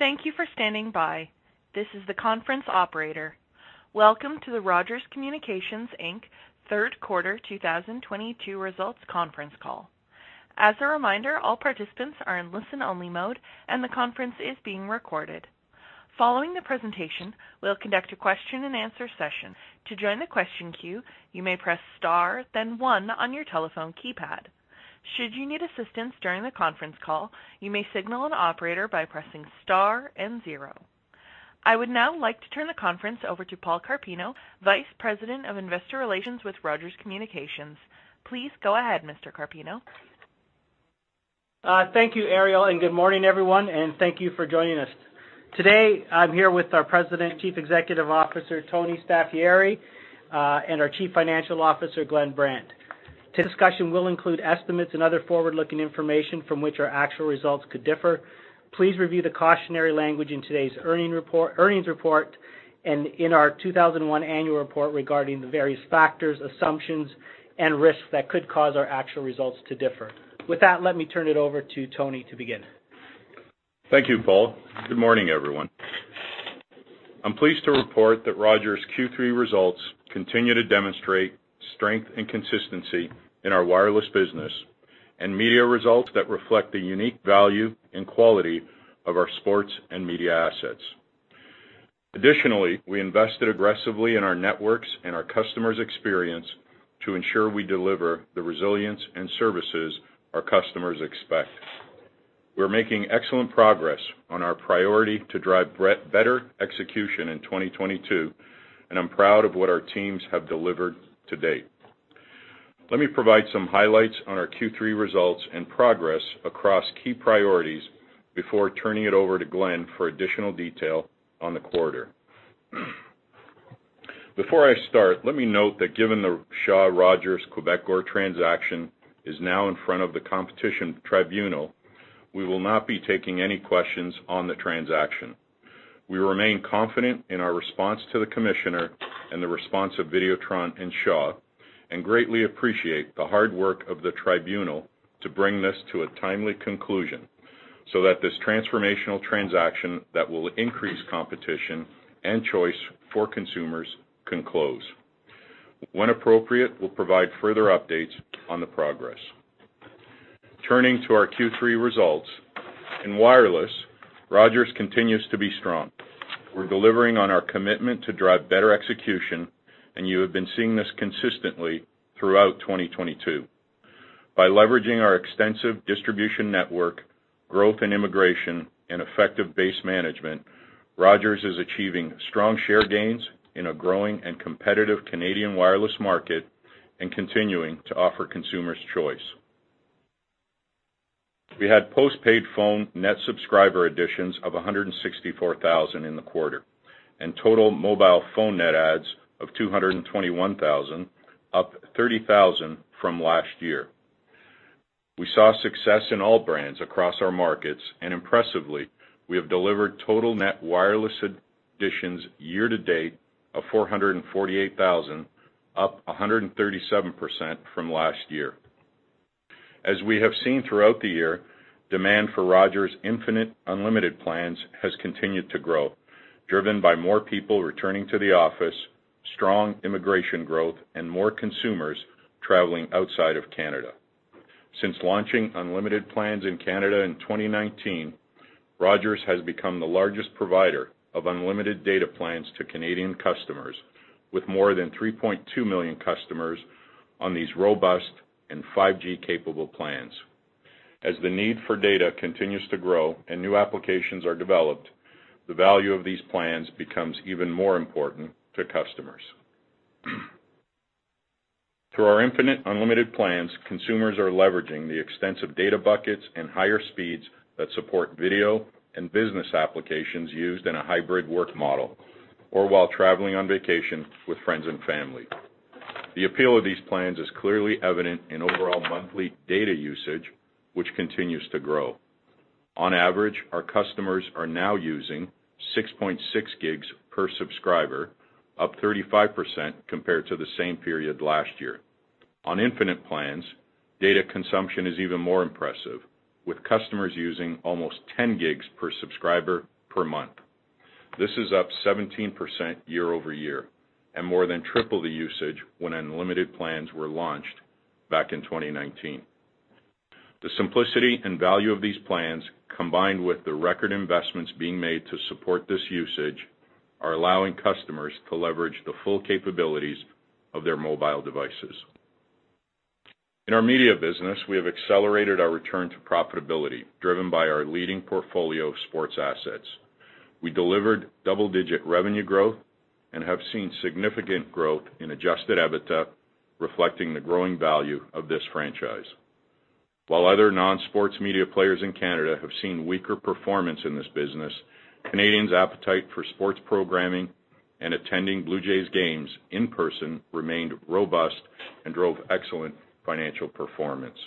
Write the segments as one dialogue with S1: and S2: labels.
S1: Thank you for standing by. This is the conference operator. Welcome to the Rogers Communications Inc. Third Quarter 2022 results conference call. As a reminder, all participants are in listen-only mode, and the conference is being recorded. Following the presentation, we'll conduct a question-and-answer session. To join the question queue, you may press star then one on your telephone keypad. Should you need assistance during the conference call, you may signal an operator by pressing star and zero. I would now like to turn the conference over to Rogers Communications, Vice President of Investor Relations with Rogers Communications. Please go ahead, Mr. Carpino.
S2: Thank you, Ariel, and good morning everyone, and thank you for joining us. Today, I'm here with our President and Chief Executive Officer, Tony Staffieri, and our Chief Financial Officer, Glenn Brandt. Today's discussion will include estimates and other forward-looking information from which our actual results could differ. Please review the cautionary language in today's earnings report and in our 2021 annual report regarding the various factors, assumptions, and risks that could cause our actual results to differ. With that, let me turn it over to Tony to begin.
S3: Thank you, Paul. Good morning, everyone. I'm pleased to report that Rogers' Q3 results continue to demonstrate strength and consistency in our wireless business and media results that reflect the unique value and quality of our sports and media assets. Additionally, we invested aggressively in our networks and our customers' experience to ensure we deliver the resilience and services our customers expect. We're making excellent progress on our priority to drive better execution in 2022, and I'm proud of what our teams have delivered to date. Let me provide some highlights on our Q3 results and progress across key priorities before turning it over to Glenn for additional detail on the quarter. Before I start, let me note that given the Shaw Rogers Quebecor transaction is now in front of the Competition Tribunal, we will not be taking any questions on the transaction. We remain confident in our response to the commissioner and the response of Videotron and Shaw and greatly appreciate the hard work of the tribunal to bring this to a timely conclusion so that this transformational transaction that will increase competition and choice for consumers can close. When appropriate, we'll provide further updates on the progress. Turning to our Q3 results. In wireless, Rogers continues to be strong. We're delivering on our commitment to drive better execution, and you have been seeing this consistently throughout 2022. By leveraging our extensive distribution network, growth in immigration, and effective base management, Rogers is achieving strong share gains in a growing and competitive Canadian wireless market and continuing to offer consumers choice. We had post-paid phone net subscriber additions of 164,000 in the quarter and total mobile phone net adds of 221,000, up 30,000 from last year. We saw success in all brands across our markets, and impressively, we have delivered total net wireless additions year to date of 448,000, up 137% from last year. As we have seen throughout the year, demand for Rogers' Infinite unlimited plans has continued to grow, driven by more people returning to the office, strong immigration growth, and more consumers traveling outside of Canada. Since launching unlimited plans in Canada in 2019, Rogers has become the largest provider of unlimited data plans to Canadian customers with more than 3.2 million customers on these robust and 5G capable plans. As the need for data continues to grow and new applications are developed, the value of these plans becomes even more important to customers. Through our Infinite unlimited plans, consumers are leveraging the extensive data buckets and higher speeds that support video and business applications used in a hybrid work model or while traveling on vacation with friends and family. The appeal of these plans is clearly evident in overall monthly data usage, which continues to grow. On average, our customers are now using 6.6 gigs per subscriber, up 35% compared to the same period last year. On Infinite plans, data consumption is even more impressive, with customers using almost 10 gigs per subscriber per month. This is up 17% year-over-year and more than triple the usage when unlimited plans were launched back in 2019. The simplicity and value of these plans, combined with the record investments being made to support this usage, are allowing customers to leverage the full capabilities of their mobile devices. In our media business, we have accelerated our return to profitability, driven by our leading portfolio of sports assets. We delivered double-digit revenue growth and have seen significant growth in adjusted EBITDA, reflecting the growing value of this franchise. While other non-sports media players in Canada have seen weaker performance in this business, Canadians' appetite for sports programming and attending Blue Jays games in person remained robust and drove excellent financial performance.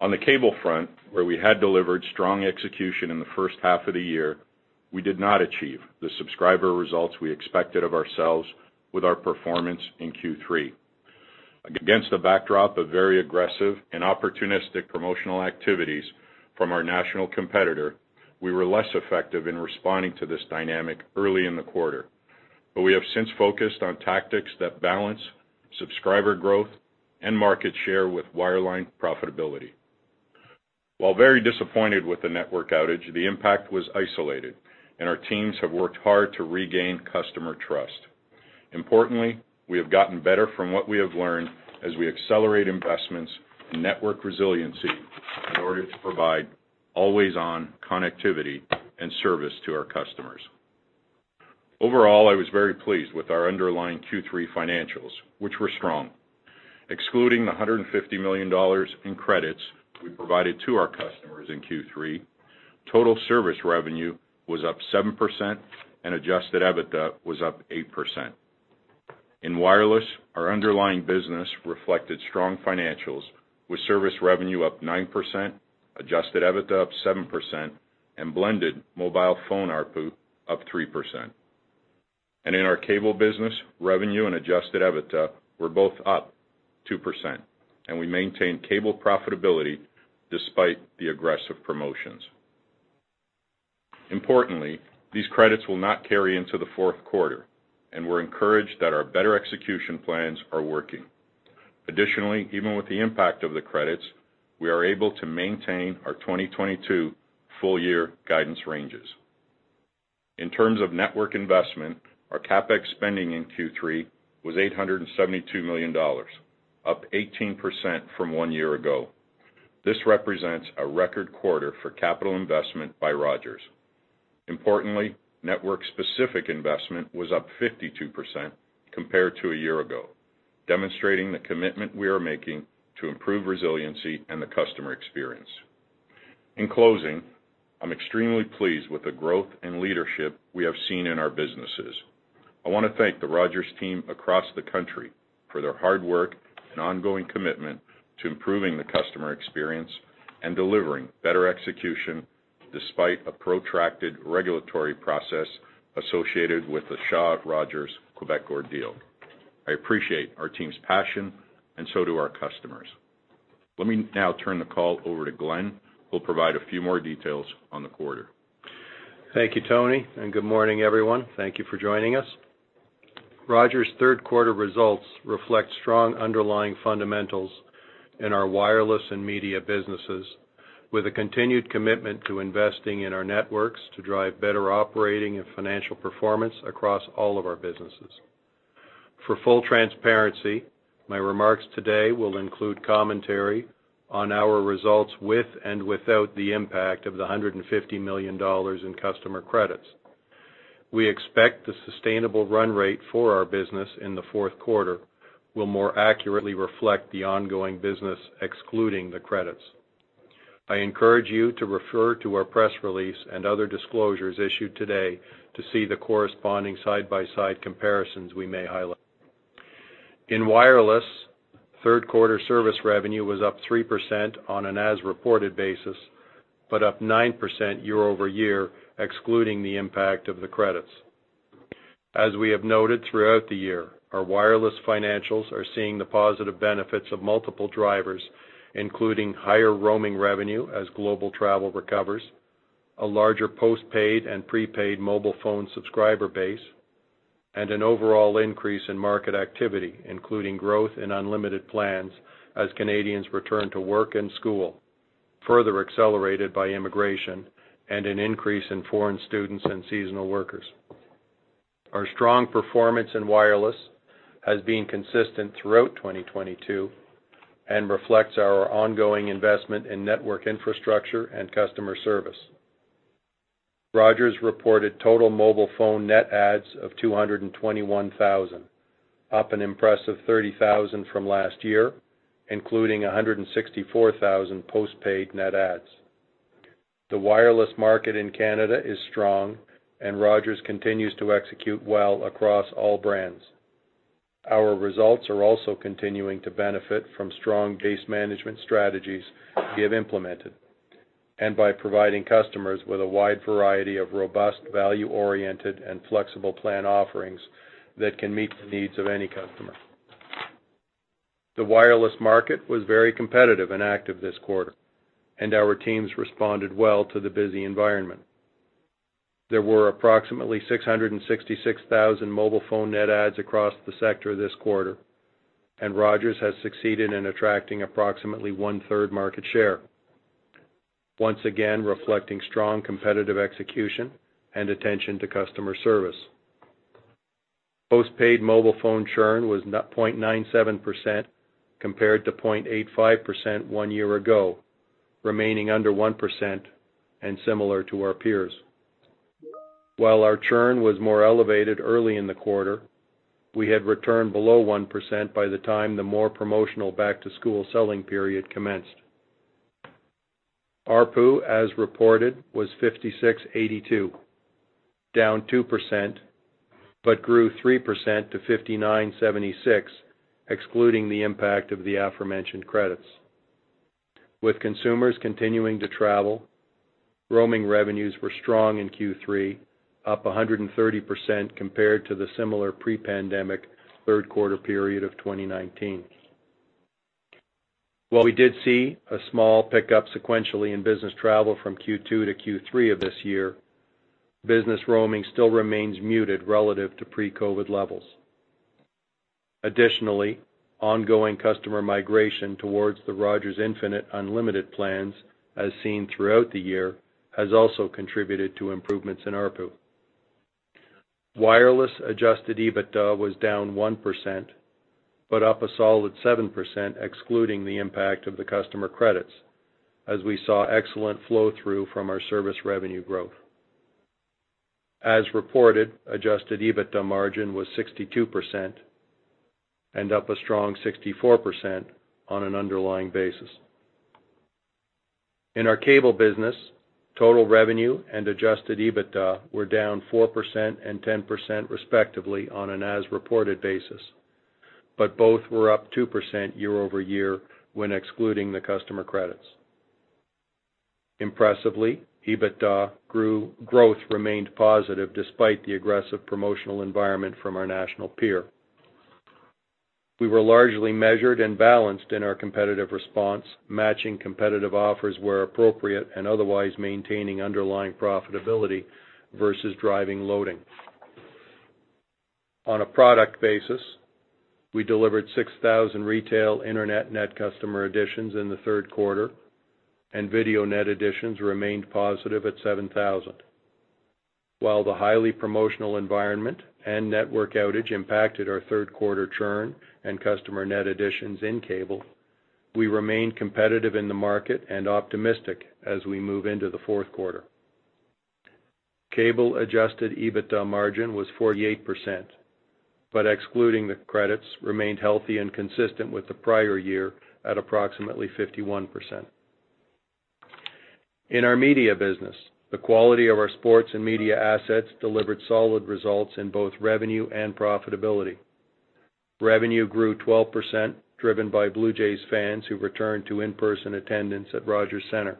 S3: On the cable front, where we had delivered strong execution in the first half of the year, we did not achieve the subscriber results we expected of ourselves with our performance in Q3. Against the backdrop of very aggressive and opportunistic promotional activities from our national competitor, we were less effective in responding to this dynamic early in the quarter, but we have since focused on tactics that balance subscriber growth and market share with wireline profitability. While very disappointed with the network outage, the impact was isolated and our teams have worked hard to regain customer trust. Importantly, we have gotten better from what we have learned as we accelerate investments in network resiliency in order to provide always-on connectivity and service to our customers. Overall, I was very pleased with our underlying Q3 financials, which were strong. Excluding the 150 million dollars in credits we provided to our customers in Q3, total service revenue was up 7% and adjusted EBITDA was up 8%. In wireless, our underlying business reflected strong financials with service revenue up 9%, adjusted EBITDA up 7%, and blended mobile phone ARPU up 3%. In our cable business, revenue and adjusted EBITDA were both up 2%, and we maintained cable profitability despite the aggressive promotions. Importantly, these credits will not carry into the fourth quarter, and we're encouraged that our better execution plans are working. Additionally, even with the impact of the credits, we are able to maintain our 2022 full year guidance ranges. In terms of network investment, our CapEx spending in Q3 was 872 million dollars, up 18% from one year ago. This represents a record quarter for capital investment by Rogers. Importantly, network-specific investment was up 52% compared to a year ago, demonstrating the commitment we are making to improve resiliency and the customer experience. In closing, I'm extremely pleased with the growth and leadership we have seen in our businesses. I wanna thank the Rogers team across the country for their hard work and ongoing commitment to improving the customer experience and delivering better execution despite a protracted regulatory process associated with the Shaw-Rogers Quebecor deal. I appreciate our team's passion, and so do our customers. Let me now turn the call over to Glenn, who'll provide a few more details on the quarter.
S4: Thank you, Tony, and good morning, everyone. Thank you for joining us. Rogers' third quarter results reflect strong underlying fundamentals in our wireless and media businesses with a continued commitment to investing in our networks to drive better operating and financial performance across all of our businesses. For full transparency, my remarks today will include commentary on our results with and without the impact of 150 million dollars in customer credits. We expect the sustainable run rate for our business in the fourth quarter will more accurately reflect the ongoing business excluding the credits. I encourage you to refer to our press release and other disclosures issued today to see the corresponding side-by-side comparisons we may highlight. In wireless, third quarter service revenue was up 3% on an as-reported basis, but up 9% year-over-year, excluding the impact of the credits. As we have noted throughout the year, our wireless financials are seeing the positive benefits of multiple drivers, including higher roaming revenue as global travel recovers, a larger post-paid and pre-paid mobile phone subscriber base, and an overall increase in market activity, including growth in unlimited plans as Canadians return to work and school, further accelerated by immigration and an increase in foreign students and seasonal workers. Our strong performance in wireless has been consistent throughout 2022 and reflects our ongoing investment in network infrastructure and customer service. Rogers reported total mobile phone net adds of 221,000, up an impressive 30,000 from last year, including 164,000 postpaid net adds. The wireless market in Canada is strong, and Rogers continues to execute well across all brands. Our results are also continuing to benefit from strong base management strategies we have implemented and by providing customers with a wide variety of robust, value-oriented, and flexible plan offerings that can meet the needs of any customer. The wireless market was very competitive and active this quarter, and our teams responded well to the busy environment. There were approximately 666,000 mobile phone net adds across the sector this quarter, and Rogers has succeeded in attracting approximately 1/3 market share, once again reflecting strong competitive execution and attention to customer service. Postpaid mobile phone churn was 0.97% compared to 0.85% one year ago, remaining under 1% and similar to our peers. While our churn was more elevated early in the quarter, we had returned below 1% by the time the more promotional back-to-school selling period commenced. ARPU, as reported, was 56.82, down 2%, but grew 3% to 59.76, excluding the impact of the aforementioned credits. With consumers continuing to travel, roaming revenues were strong in Q3, up 130% compared to the similar pre-pandemic third-quarter period of 2019. While we did see a small pickup sequentially in business travel from Q2 to Q3 of this year, business roaming still remains muted relative to pre-COVID levels. Additionally, ongoing customer migration towards the Rogers Infinite unlimited plans, as seen throughout the year, has also contributed to improvements in ARPU. Wireless adjusted EBITDA was down 1%, but up a solid 7% excluding the impact of the customer credits as we saw excellent flow-through from our service revenue growth. As reported, adjusted EBITDA margin was 62% and up a strong 64% on an underlying basis. In our cable business, total revenue and adjusted EBITDA were down 4% and 10% respectively on an as-reported basis, but both were up 2% year-over-year when excluding the customer credits. Impressively, EBITDA growth remained positive despite the aggressive promotional environment from our national peer. We were largely measured and balanced in our competitive response, matching competitive offers where appropriate, and otherwise maintaining underlying profitability versus driving loading. On a product basis, we delivered 6,000 retail internet net customer additions in the third quarter, and video net additions remained positive at 7,000. While the highly promotional environment and network outage impacted our third quarter churn and customer net additions in cable, we remain competitive in the market and optimistic as we move into the fourth quarter. Cable adjusted EBITDA margin was 48%, but excluding the credits, remained healthy and consistent with the prior year at approximately 51%. In our media business, the quality of our sports and media assets delivered solid results in both revenue and profitability. Revenue grew 12%, driven by Blue Jays fans who returned to in-person attendance at Rogers Centre.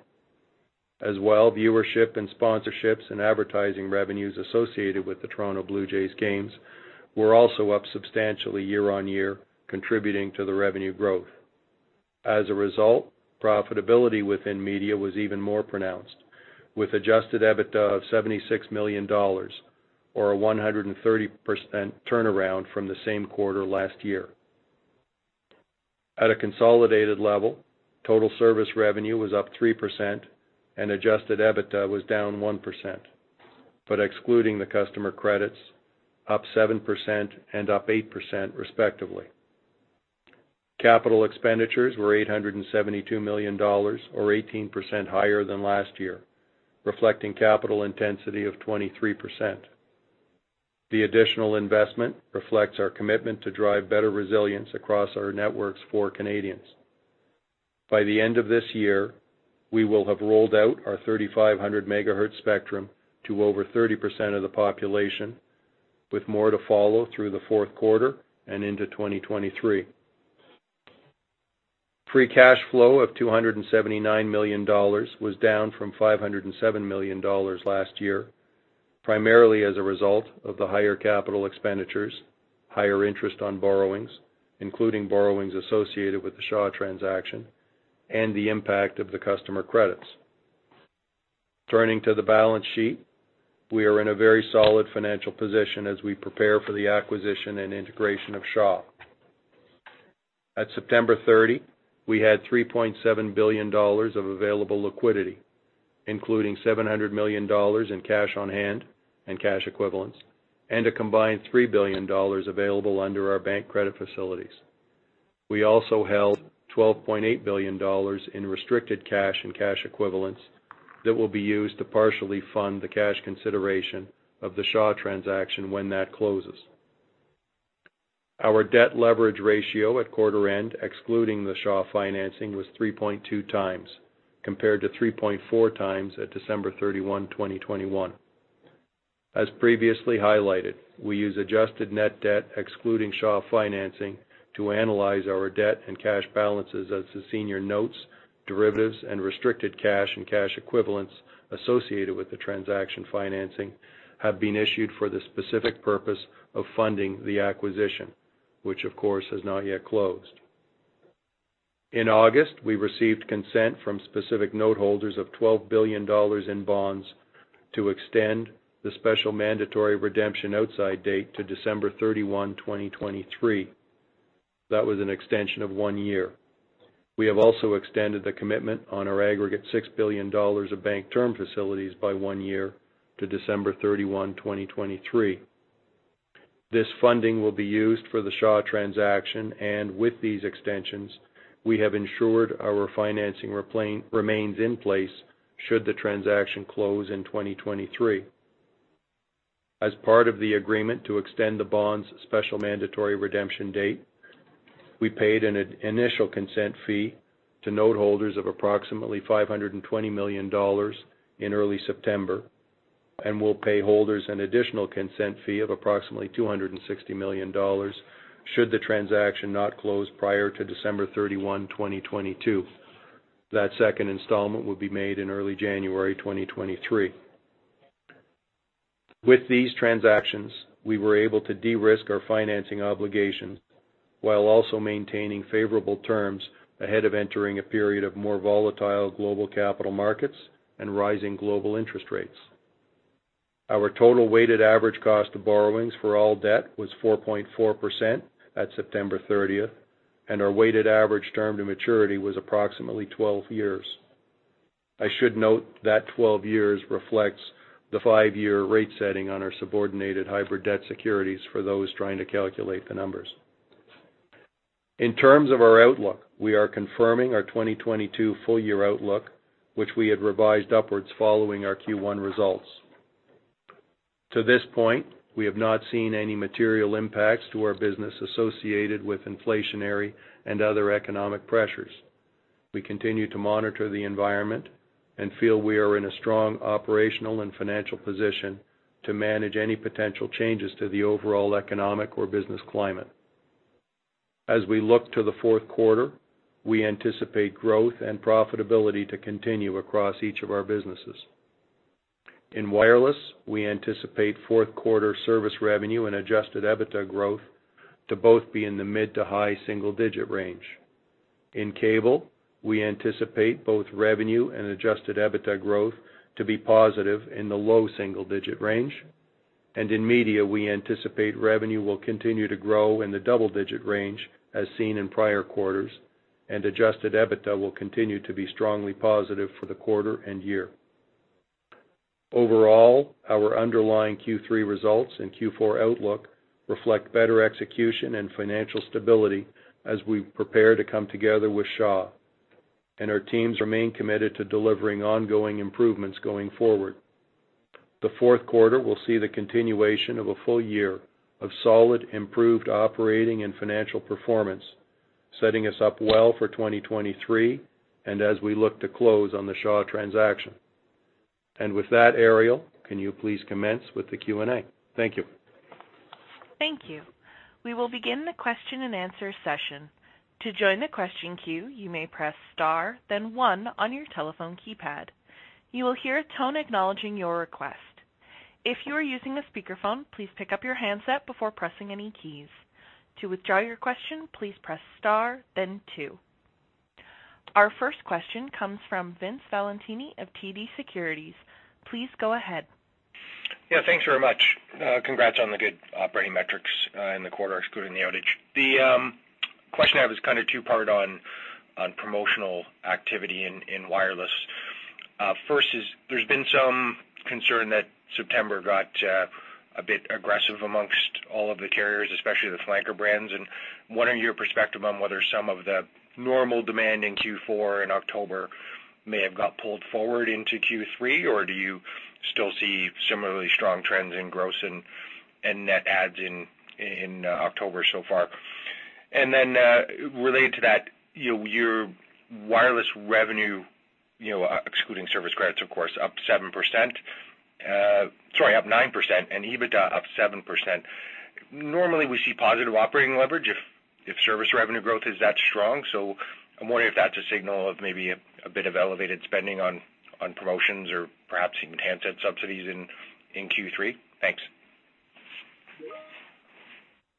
S4: As well, viewership and sponsorships and advertising revenues associated with the Toronto Blue Jays games were also up substantially year-over-year, contributing to the revenue growth. As a result, profitability within media was even more pronounced, with adjusted EBITDA of 76 million dollars or a 130% turnaround from the same quarter last year. At a consolidated level, total service revenue was up 3% and adjusted EBITDA was down 1%, but excluding the customer credits, up 7% and up 8% respectively. Capital expenditures were 872 million dollars or 18% higher than last year, reflecting capital intensity of 23%. The additional investment reflects our commitment to drive better resilience across our networks for Canadians. By the end of this year, we will have rolled out our 3,500 MHz spectrum to over 30% of the population, with more to follow through the fourth quarter and into 2023. Free cash flow of 279 million dollars was down from 507 million dollars last year, primarily as a result of the higher capital expenditures, higher interest on borrowings, including borrowings associated with the Shaw transaction, and the impact of the customer credits. Turning to the balance sheet, we are in a very solid financial position as we prepare for the acquisition and integration of Shaw. At September 30, we had 3.7 billion dollars of available liquidity, including 700 million dollars in cash on hand and cash equivalents, and a combined 3 billion dollars available under our bank credit facilities. We also held 12.8 billion dollars in restricted cash and cash equivalents that will be used to partially fund the cash consideration of the Shaw transaction when that closes. Our debt leverage ratio at quarter end, excluding the Shaw financing, was 3.2x, compared to 3.4x at December 31, 2021. As previously highlighted, we use adjusted net debt excluding Shaw financing to analyze our debt and cash balances as the senior notes, derivatives and restricted cash and cash equivalents associated with the transaction financing have been issued for the specific purpose of funding the acquisition, which of course has not yet closed. In August, we received consent from specific note holders of 12 billion dollars in bonds to extend the special mandatory redemption outside date to December 31, 2023. That was an extension of one year. We have also extended the commitment on our aggregate 6 billion dollars of bank term facilities by one year to December 31, 2023. This funding will be used for the Shaw transaction, and with these extensions, we have ensured our refinancing plan remains in place should the transaction close in 2023. As part of the agreement to extend the bond's special mandatory redemption date, we paid an initial consent fee to note holders of approximately 520 million dollars in early September. We'll pay holders an additional consent fee of approximately 260 million dollars should the transaction not close prior to December 31, 2022. That second installment will be made in early January 2023. With these transactions, we were able to de-risk our financing obligations while also maintaining favorable terms ahead of entering a period of more volatile global capital markets and rising global interest rates. Our total weighted average cost of borrowings for all debt was 4.4% at September 30, and our weighted average term to maturity was approximately 12 years. I should note that 12 years reflects the five-year rate setting on our subordinated hybrid debt securities for those trying to calculate the numbers. In terms of our outlook, we are confirming our 2022 full year outlook, which we had revised upwards following our Q1 results. To this point, we have not seen any material impacts to our business associated with inflationary and other economic pressures. We continue to monitor the environment and feel we are in a strong operational and financial position to manage any potential changes to the overall economic or business climate. As we look to the fourth quarter, we anticipate growth and profitability to continue across each of our businesses. In wireless, we anticipate fourth quarter service revenue and adjusted EBITDA growth to both be in the mid to high single digit range. In cable, we anticipate both revenue and adjusted EBITDA growth to be positive in the low single digit range. In media, we anticipate revenue will continue to grow in the double-digit range as seen in prior quarters, and adjusted EBITDA will continue to be strongly positive for the quarter and year. Overall, our underlying Q3 results and Q4 outlook reflect better execution and financial stability as we prepare to come together with Shaw, and our teams remain committed to delivering ongoing improvements going forward. The fourth quarter will see the continuation of a full year of solid, improved operating and financial performance, setting us up well for 2023 and as we look to close on the Shaw transaction. With that, Ariel, can you please commence with the Q&A? Thank you.
S1: Thank you. We will begin the question and answer session. To join the question queue, you may press star, then one on your telephone keypad. You will hear a tone acknowledging your request. If you are using a speakerphone, please pick up your handset before pressing any keys. To withdraw your question, please press star then two. Our first question comes from Vince Valentini of TD Securities. Please go ahead.
S5: Yeah, thanks very much. Congrats on the good operating metrics in the quarter, excluding the outage. Question I have is kind of two-part on promotional activity in wireless. First is, there's been some concern that September got a bit aggressive among all of the carriers, especially the flanker brands. What are your perspective on whether some of the normal demand in Q4 in October may have got pulled forward into Q3? Or do you still see similarly strong trends in gross and net adds in October so far? Related to that, you know, your wireless revenue, you know, excluding service credits, of course, up 9% and EBITDA up 7%. Normally, we see positive operating leverage if service revenue growth is that strong. I'm wondering if that's a signal of maybe a bit of elevated spending on promotions or perhaps even handset subsidies in Q3. Thanks.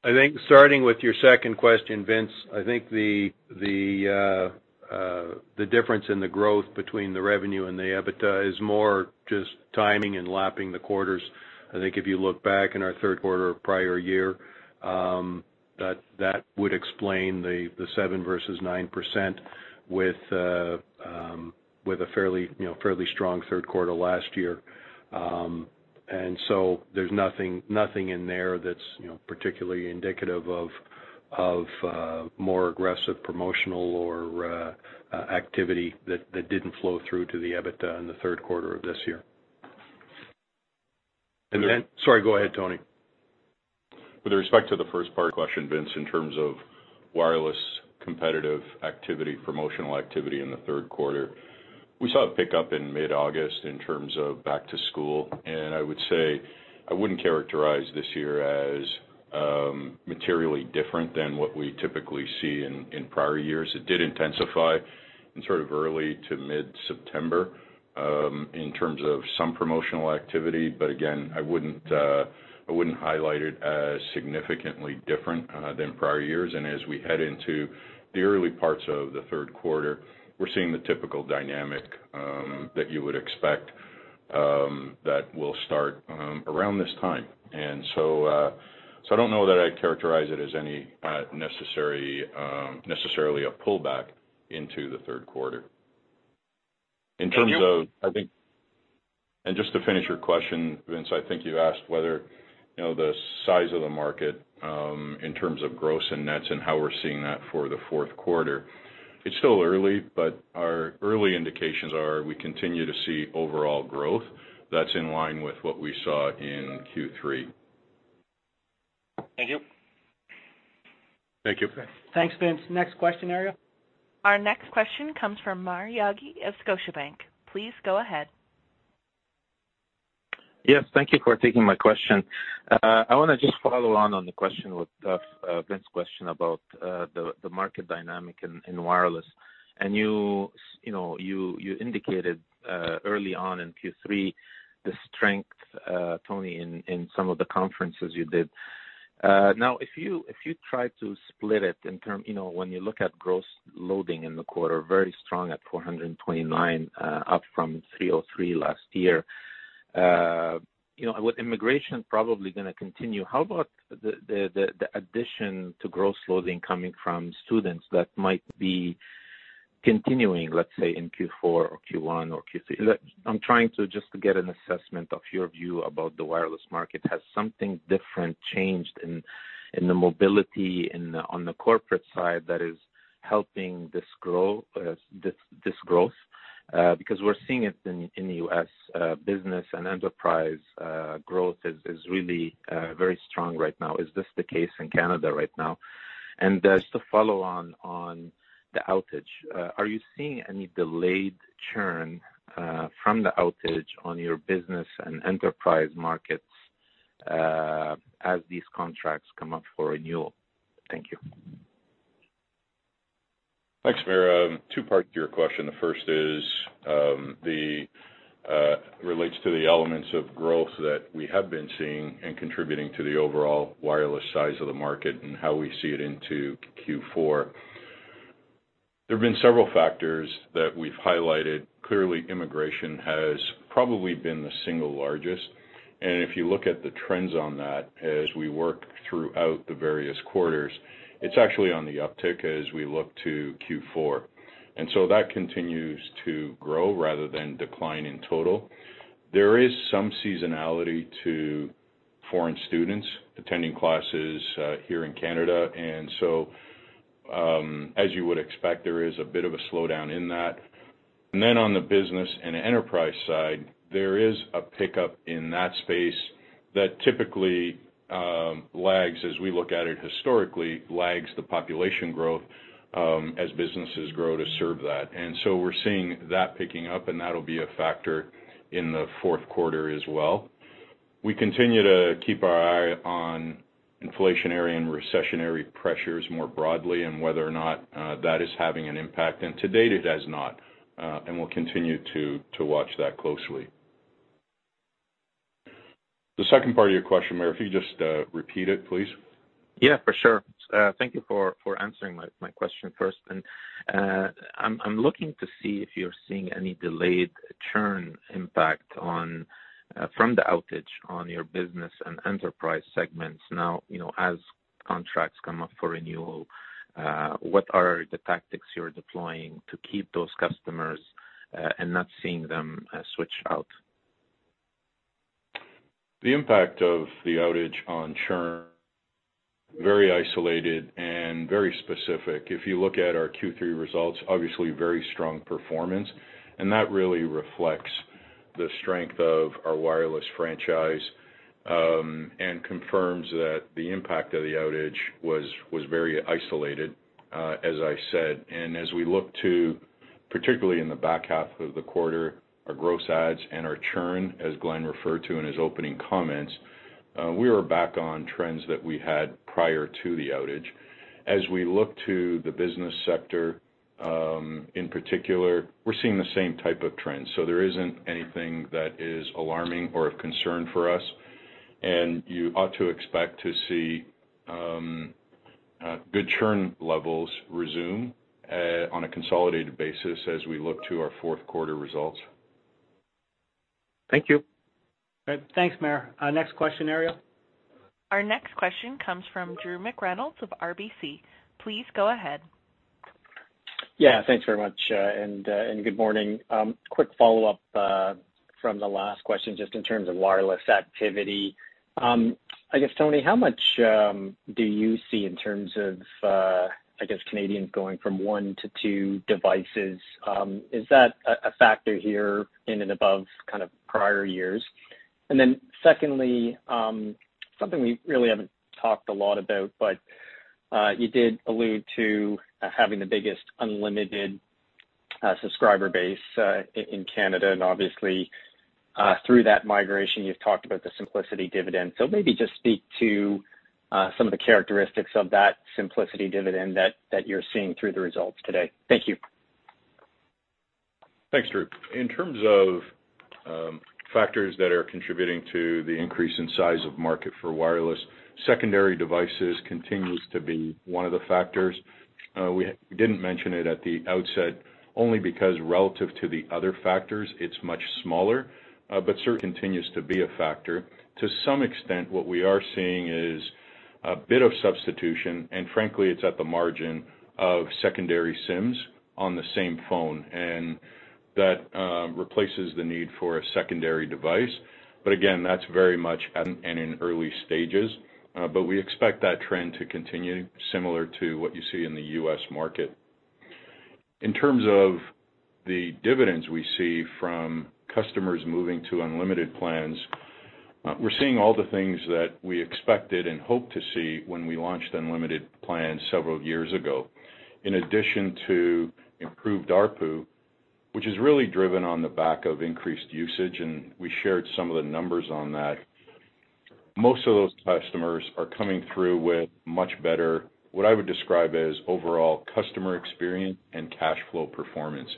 S4: I think starting with your second question, Vince, I think the difference in the growth between the revenue and the EBITDA is more just timing and lapping the quarters. I think if you look back in our third quarter prior year, that would explain the 7% versus 9% with a fairly strong third quarter last year. There's nothing in there that's, you know, particularly indicative of more aggressive promotional or activity that didn't flow through to the EBITDA in the third quarter of this year.
S5: And then-
S4: Sorry, go ahead, Tony.
S3: With respect to the first part of the question, Vince, in terms of wireless competitive activity, promotional activity in the third quarter, we saw it pick up in mid-August in terms of back to school. I would say, I wouldn't characterize this year as materially different than what we typically see in prior years. It did intensify in sort of early to mid-September in terms of some promotional activity. Again, I wouldn't highlight it as significantly different than prior years. As we head into the early parts of the third quarter, we're seeing the typical dynamic that you would expect that will start around this time. I don't know that I'd characterize it as any necessary necessarily a pullback into the third quarter.
S5: Thank you.
S3: In terms of, I think just to finish your question, Vince, I think you asked whether, you know, the size of the market in terms of gross and nets and how we're seeing that for the fourth quarter. It's still early, but our early indications are we continue to see overall growth that's in line with what we saw in Q3.
S5: Thank you.
S3: Thank you.
S2: Thanks, Vince. Next question, Ariel.
S1: Our next question comes from Maher Yaghi of Scotiabank. Please go ahead.
S6: Yes, thank you for taking my question. I want to just follow on the question with Vince's question about the market dynamic in wireless. You know, you indicated early on in Q3 the strength, Tony, in some of the conferences you did. Now, if you try to split it, you know, when you look at gross loading in the quarter, very strong at 429, up from 303 last year. You know, with immigration probably gonna continue, how about the addition to gross loading coming from students that might be continuing, let's say, in Q4 or Q1 or Q3? I'm trying to just get an assessment of your view about the wireless market. Has something different changed in the mobility on the corporate side that is helping this grow, this growth? Because we're seeing it in the U.S. business and enterprise growth is really very strong right now. Is this the case in Canada right now? Just to follow on the outage, are you seeing any delayed churn from the outage on your business and enterprise markets as these contracts come up for renewal? Thank you.
S3: Thanks, Maher. Two-part to your question. The first is that relates to the elements of growth that we have been seeing and contributing to the overall wireless size of the market and how we see it into Q4. There have been several factors that we've highlighted. Clearly, immigration has probably been the single largest. If you look at the trends on that as we work throughout the various quarters, it's actually on the uptick as we look to Q4. That continues to grow rather than decline in total. There is some seasonality to foreign students attending classes here in Canada. As you would expect, there is a bit of a slowdown in that. On the business and enterprise side, there is a pickup in that space that typically lags the population growth as businesses grow to serve that. We're seeing that picking up, and that'll be a factor in the fourth quarter as well. We continue to keep our eye on inflationary and recessionary pressures more broadly and whether or not that is having an impact. To date, it has not, and we'll continue to watch that closely. The second part of your question, Maher, if you just repeat it, please.
S6: Yeah, for sure. Thank you for answering my question first. I'm looking to see if you're seeing any delayed churn impact from the outage on your business and enterprise segments. Now, you know, as contracts come up for renewal, what are the tactics you're deploying to keep those customers and not seeing them switch out?
S3: The impact of the outage on churn, very isolated and very specific. If you look at our Q3 results, obviously very strong performance, and that really reflects the strength of our wireless franchise, and confirms that the impact of the outage was very isolated, as I said. As we look to, particularly in the back half of the quarter, our gross adds and our churn, as Glenn referred to in his opening comments, we are back on trends that we had prior to the outage. As we look to the business sector, in particular, we're seeing the same type of trends. There isn't anything that is alarming or of concern for us. You ought to expect to see a good churn levels resume, on a consolidated basis as we look to our fourth quarter results.
S6: Thank you.
S2: All right. Thanks, Maher. Next question, Ariel.
S1: Our next question comes from Drew McReynolds of RBC. Please go ahead.
S7: Yeah, thanks very much. Good morning. Quick follow-up from the last question, just in terms of wireless activity. I guess, Tony, how much do you see in terms of, I guess Canadians going from one to two devices? Is that a factor here in and above kind of prior years? Then secondly, something we really haven't talked a lot about, but you did allude to having the biggest unlimited subscriber base in Canada. Obviously, through that migration, you've talked about the simplicity dividend. Maybe just speak to some of the characteristics of that simplicity dividend that you're seeing through the results today. Thank you.
S3: Thanks, Drew. In terms of factors that are contributing to the increase in size of market for wireless, secondary devices continues to be one of the factors. We didn't mention it at the outset only because relative to the other factors, it's much smaller, but certainly continues to be a factor. To some extent, what we are seeing is a bit of substitution, and frankly, it's at the margin of secondary SIMs on the same phone, and that replaces the need for a secondary device. But again, that's very much in early stages, but we expect that trend to continue similar to what you see in the U.S. market. In terms of the dividends we see from customers moving to unlimited plans, we're seeing all the things that we expected and hoped to see when we launched unlimited plans several years ago. In addition to improved ARPU, which is really driven on the back of increased usage, and we shared some of the numbers on that, most of those customers are coming through with much better, what I would describe as overall customer experience and cash flow performance.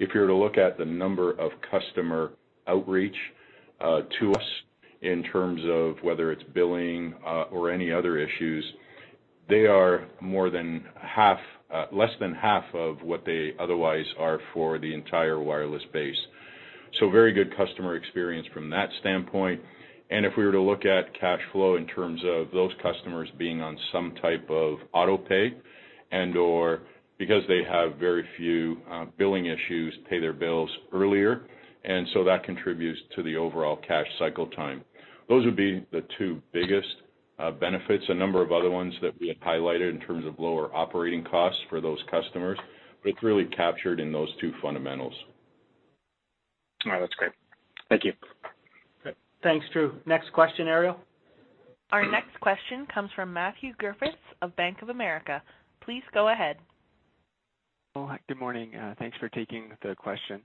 S3: If you were to look at the number of customer outreach, to us in terms of whether it's billing, or any other issues, they are less than half of what they otherwise are for the entire wireless base. Very good customer experience from that standpoint. If we were to look at cash flow in terms of those customers being on some type of autopay and/or because they have very few billing issues, pay their bills earlier, and so that contributes to the overall cash cycle time. Those would be the two biggest benefits. A number of other ones that we had highlighted in terms of lower operating costs for those customers, but it's really captured in those two fundamentals.
S7: All right. That's great. Thank you.
S3: Okay.
S2: Thanks, Drew. Next question, Ariel.
S1: Our next question comes from Matthew Griffiths of Bank of America. Please go ahead.
S8: Well, good morning. Thanks for taking the question.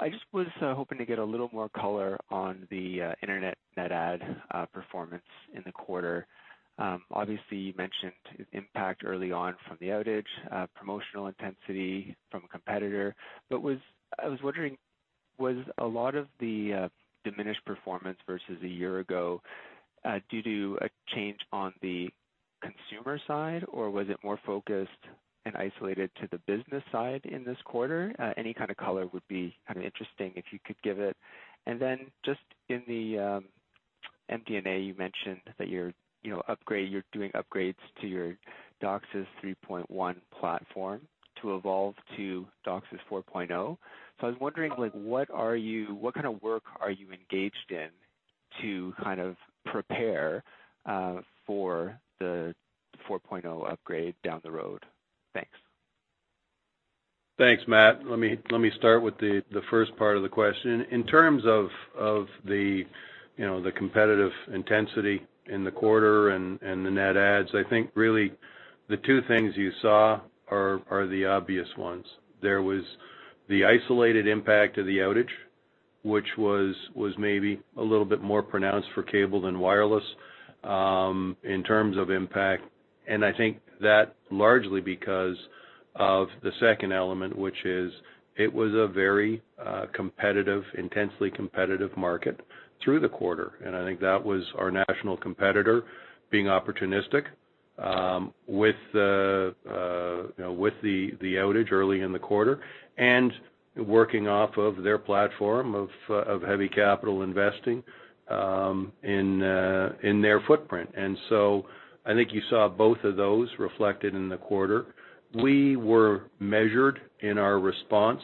S8: I just was hoping to get a little more color on the internet net add performance in the quarter. Obviously, you mentioned impact early on from the outage, promotional intensity from a competitor. I was wondering, was a lot of the diminished performance versus a year ago due to a change on the consumer side, or was it more focused and isolated to the business side in this quarter? Any kind of color would be kind of interesting if you could give it. Then just in the MD&A, you mentioned that you're doing upgrades to your DOCSIS 3.1 platform to evolve to DOCSIS 4.0. I was wondering, like, what kind of work are you engaged in to kind of prepare for the DOCSIS 4.0 upgrade down the road? Thanks.
S4: Thanks, Matt. Let me start with the first part of the question. In terms of the you know, the competitive intensity in the quarter and the net adds, I think really the two things you saw are the obvious ones. There was the isolated impact of the outage, which was maybe a little bit more pronounced for Cable than Wireless in terms of impact. I think that largely because of the second element, which is it was a very competitive intensely competitive market through the quarter. I think that was our national competitor being opportunistic with the you know, with the outage early in the quarter and working off of their platform of heavy capital investing in their footprint. I think you saw both of those reflected in the quarter. We were measured in our response,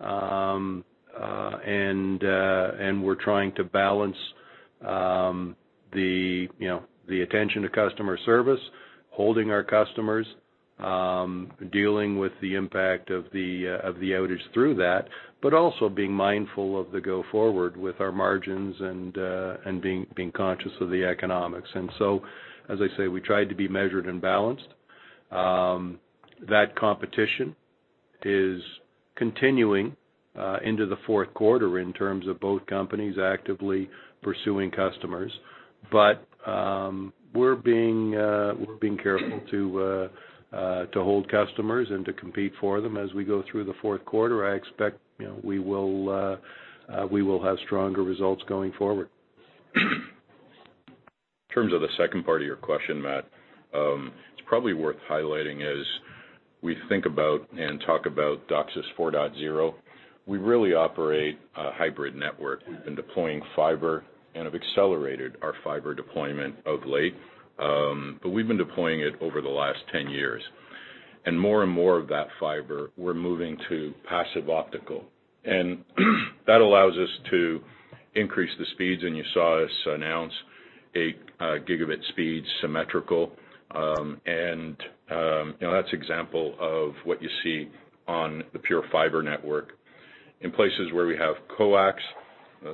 S4: and we're trying to balance, you know, the attention to customer service, holding our customers, dealing with the impact of the outage through that, but also being mindful of the go forward with our margins and being conscious of the economics. As I say, we tried to be measured and balanced. That competition is continuing into the fourth quarter in terms of both companies actively pursuing customers. We're being careful to hold customers and to compete for them as we go through the fourth quarter. I expect, you know, we will have stronger results going forward.
S3: In terms of the second part of your question, Matt, it's probably worth highlighting as we think about and talk about DOCSIS 4.0, we really operate a hybrid network. We've been deploying fiber and have accelerated our fiber deployment of late, but we've been deploying it over the last 10 years. More and more of that fiber, we're moving to passive optical. That allows us to increase the speeds, and you saw us announce a gigabit speed symmetrical. You know, that's example of what you see on the pure fiber network. In places where we have coax,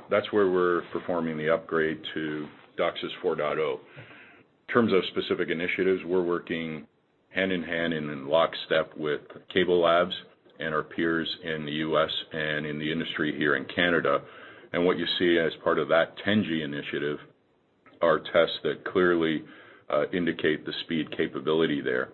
S3: that's where we're performing the upgrade to DOCSIS 4.0. In terms of specific initiatives, we're working hand-in-hand and in lockstep with CableLabs and our peers in the U.S. and in the industry here in Canada. What you see as part of that 10G initiative are tests that clearly indicate the speed capability there.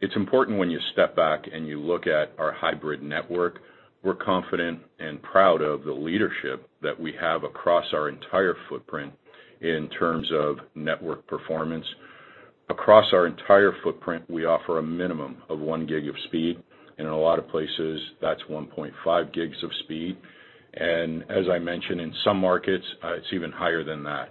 S3: It's important when you step back and you look at our hybrid network. We're confident and proud of the leadership that we have across our entire footprint in terms of network performance. Across our entire footprint, we offer a minimum of one gig of speed. In a lot of places, that's 1.5 gigs of speed. As I mentioned, in some markets, it's even higher than that.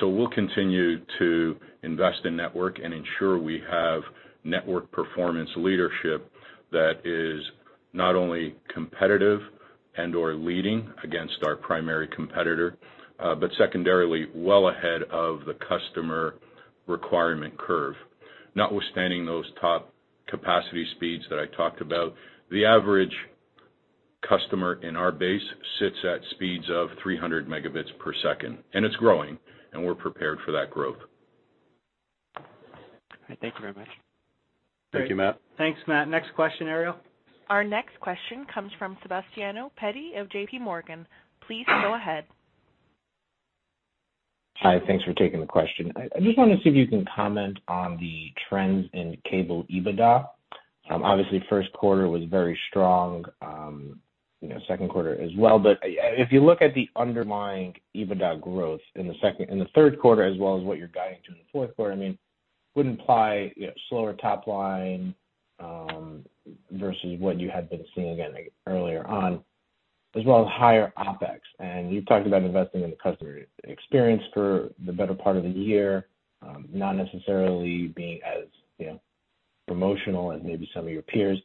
S3: We'll continue to invest in network and ensure we have network performance leadership that is not only competitive and/or leading against our primary competitor, but secondarily well ahead of the customer requirement curve. Notwithstanding those top capacity speeds that I talked about, the average customer in our base sits at speeds of 300 Mbps, and it's growing, and we're prepared for that growth.
S8: All right. Thank you very much.
S4: Thank you, Matt.
S2: Thanks, Matt. Next question, Ariel.
S1: Our next question comes from Sebastiano Petti of JP Morgan. Please go ahead.
S9: Hi. Thanks for taking the question. I just want to see if you can comment on the trends in cable EBITDA. Obviously, first quarter was very strong, you know, second quarter as well. If you look at the underlying EBITDA growth in the third quarter as well as what you're guiding to in the fourth quarter, I mean, would imply, you know, slower top line, versus what you had been seeing earlier on, as well as higher OpEx. You've talked about investing in the customer experience for the better part of the year, not necessarily being as, you know, promotional as maybe some of your peers.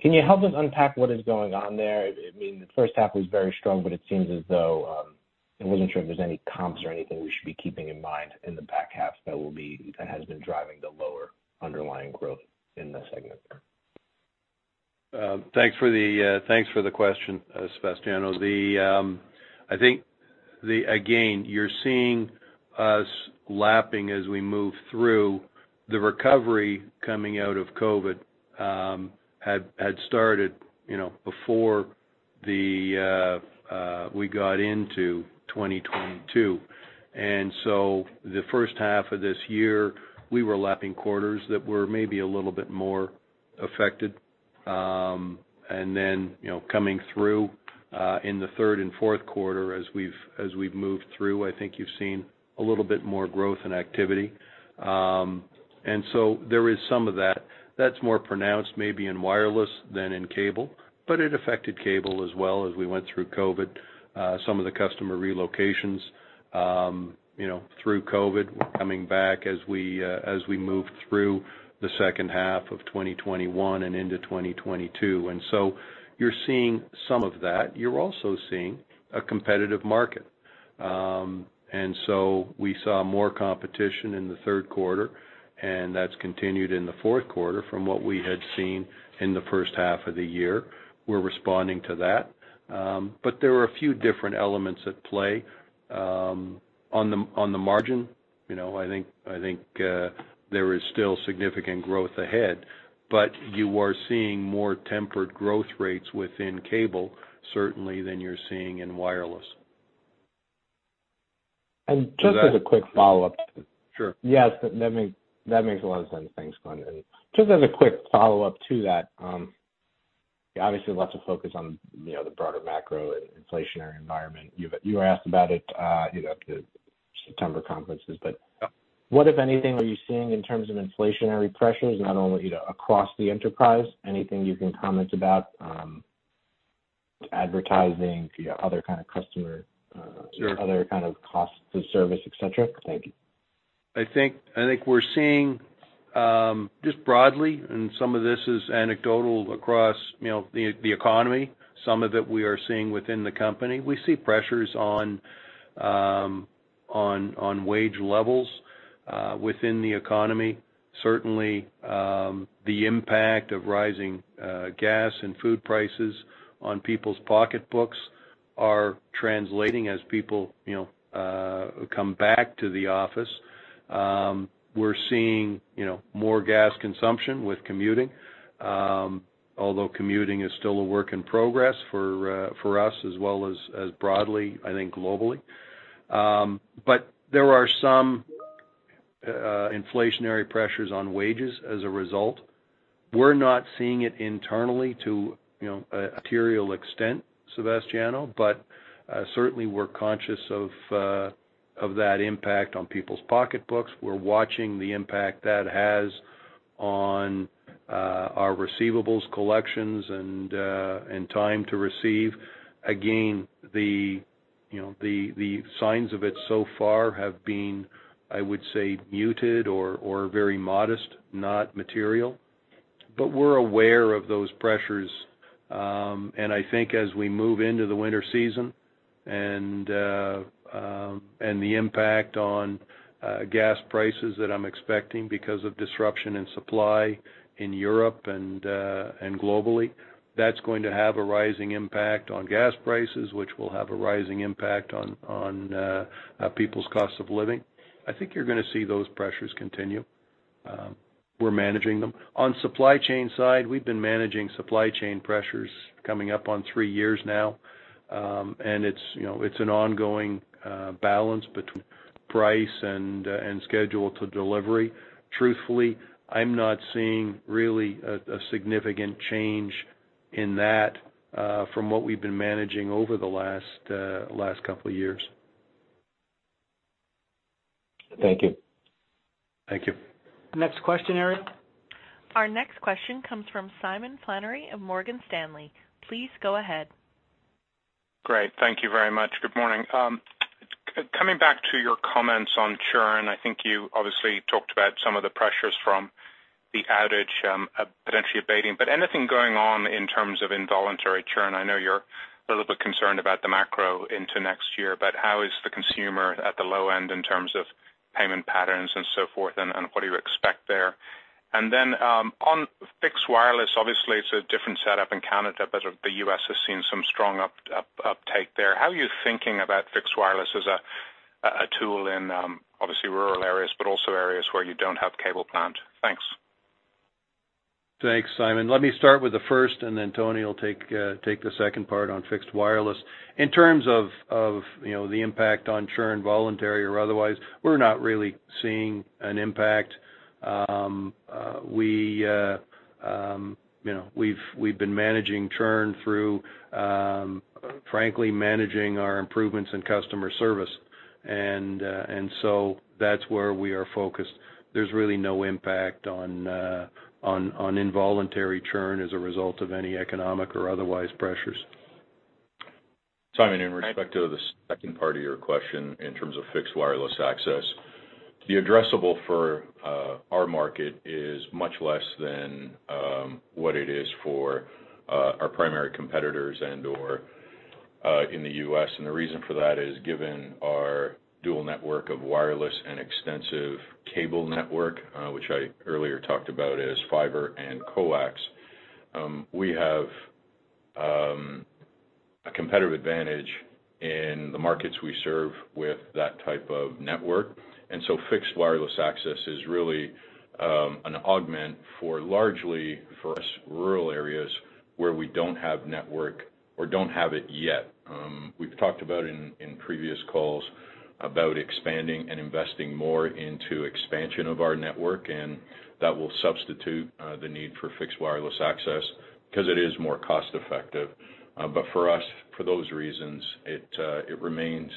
S9: Can you help us unpack what is going on there? I mean, the first half was very strong, but it seems as though. I wasn't sure if there's any comps or anything we should be keeping in mind in the back half that has been driving the lower underlying growth in that segment there.
S4: Thanks for the question, Sebastiano. I think again, you're seeing us lapping as we move through the recovery coming out of COVID that had started, you know, before we got into 2022. The first half of this year, we were lapping quarters that were maybe a little bit more affected. You know, coming through in the third and fourth quarter as we've moved through, I think you've seen a little bit more growth and activity. There is some of that. That's more pronounced maybe in wireless than in cable, but it affected cable as well as we went through COVID. Some of the customer relocations, you know, through COVID were coming back as we moved through the second half of 2021 and into 2022. You're seeing some of that. You're also seeing a competitive market. We saw more competition in the third quarter, and that's continued in the fourth quarter from what we had seen in the first half of the year. We're responding to that. There were a few different elements at play, on the margin. You know, I think there is still significant growth ahead. You are seeing more tempered growth rates within cable certainly than you're seeing in wireless.
S9: Just as a quick follow-up to.
S4: Sure.
S9: Yes, that makes a lot of sense. Thanks, Glenn. Just as a quick follow-up to that, obviously lots of focus on, you know, the broader macro and inflationary environment. You were asked about it, you know, at the September conferences. But
S4: Yep.
S9: What, if anything, are you seeing in terms of inflationary pressures, not only, you know, across the enterprise, anything you can comment about, advertising, you know, other kind of customer?
S4: Sure.
S9: other kind of costs of service, et cetera? Thank you.
S4: I think we're seeing just broadly, and some of this is anecdotal across, you know, the economy. Some of it we are seeing within the company. We see pressures on wage levels within the economy. Certainly, the impact of rising gas and food prices on people's pocketbooks are translating as people, you know, come back to the office. We're seeing, you know, more gas consumption with commuting, although commuting is still a work in progress for us as well as broadly, I think, globally. There are some inflationary pressures on wages as a result. We're not seeing it internally to, you know, a material extent, Sebastiano. Certainly we're conscious of that impact on people's pocketbooks. We're watching the impact that has on our receivables collections and time to receive. Again, you know, the signs of it so far have been, I would say, muted or very modest, not material. But we're aware of those pressures. I think as we move into the winter season and the impact on gas prices that I'm expecting because of disruption in supply in Europe and globally, that's going to have a rising impact on gas prices, which will have a rising impact on people's cost of living. I think you're gonna see those pressures continue. We're managing them. On supply chain side, we've been managing supply chain pressures coming up on three years now. It's, you know, it's an ongoing balance between price and schedule to delivery. Truthfully, I'm not seeing really a significant change in that from what we've been managing over the last couple of years.
S9: Thank you.
S4: Thank you.
S2: Next question, Ariel.
S1: Our next question comes from Simon Flannery of Morgan Stanley. Please go ahead.
S10: Great. Thank you very much. Good morning. Coming back to your comments on churn, I think you obviously talked about some of the pressures from the outage, potentially abating. But anything going on in terms of involuntary churn? I know you're a little bit concerned about the macro into next year, but how is the consumer at the low end in terms of payment patterns and so forth, and what do you expect there? On fixed wireless, obviously, it's a different setup in Canada, but the U.S. has seen some strong uptake there. How are you thinking about fixed wireless as a tool in, obviously rural areas, but also areas where you don't have cable plant? Thanks.
S4: Thanks, Simon. Let me start with the first, and then Tony will take the second part on fixed wireless. In terms of you know, the impact on churn, voluntary or otherwise, we're not really seeing an impact. You know, we've been managing churn through frankly, managing our improvements in customer service. That's where we are focused. There's really no impact on involuntary churn as a result of any economic or otherwise pressures.
S3: Simon, in respect to the second part of your question in terms of fixed wireless access, the addressable for our market is much less than what it is for our primary competitors and/or in the U.S.. The reason for that is given our dual network of wireless and extensive cable network, which I earlier talked about as fiber and coax, we have a competitive advantage in the markets we serve with that type of network. Fixed wireless access is really an augment largely for us rural areas where we don't have network or don't have it yet. We've talked in previous calls about expanding and investing more into expansion of our network, and that will substitute the need for fixed wireless access because it is more cost-effective. For us, for those reasons, it remains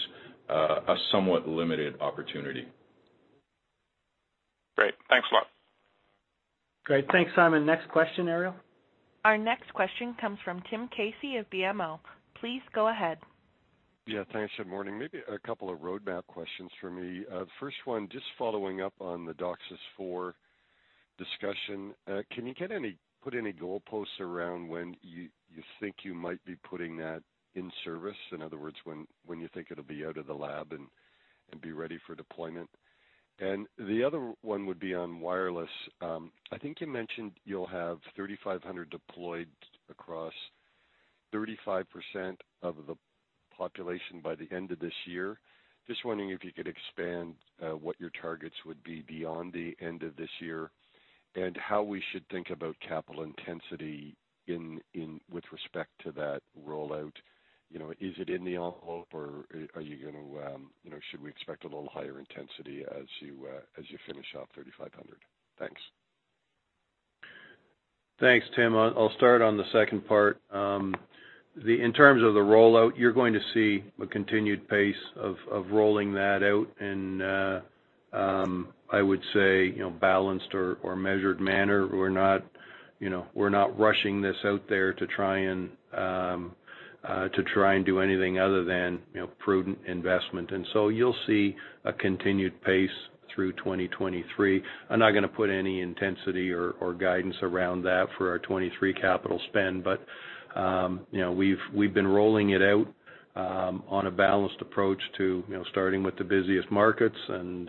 S3: a somewhat limited opportunity.
S10: Great. Thanks a lot.
S2: Great. Thanks, Simon. Next question, Ariel.
S1: Our next question comes from Tim Casey of BMO. Please go ahead.
S11: Yeah, thanks. Good morning. Maybe a couple of roadmap questions for me. The first one, just following up on the DOCSIS 4.0 discussion. Can you put any goalposts around when you think you might be putting that in service, in other words, when you think it'll be out of the lab and be ready for deployment? The other one would be on wireless. I think you mentioned you'll have 3500 deployed across 35% of the population by the end of this year. Just wondering if you could expand what your targets would be beyond the end of this year and how we should think about capital intensity with respect to that rollout. You know, is it in the envelope or are you going to, you know, should we expect a little higher intensity as you finish off 3,500? Thanks.
S4: Thanks, Tim. I'll start on the second part. In terms of the rollout, you're going to see a continued pace of rolling that out in I would say you know balanced or measured manner. We're not you know we're not rushing this out there to try and do anything other than you know prudent investment. You'll see a continued pace through 2023. I'm not gonna put any intensity or guidance around that for our 2023 capital spend, but you know we've been rolling it out on a balanced approach to you know starting with the busiest markets and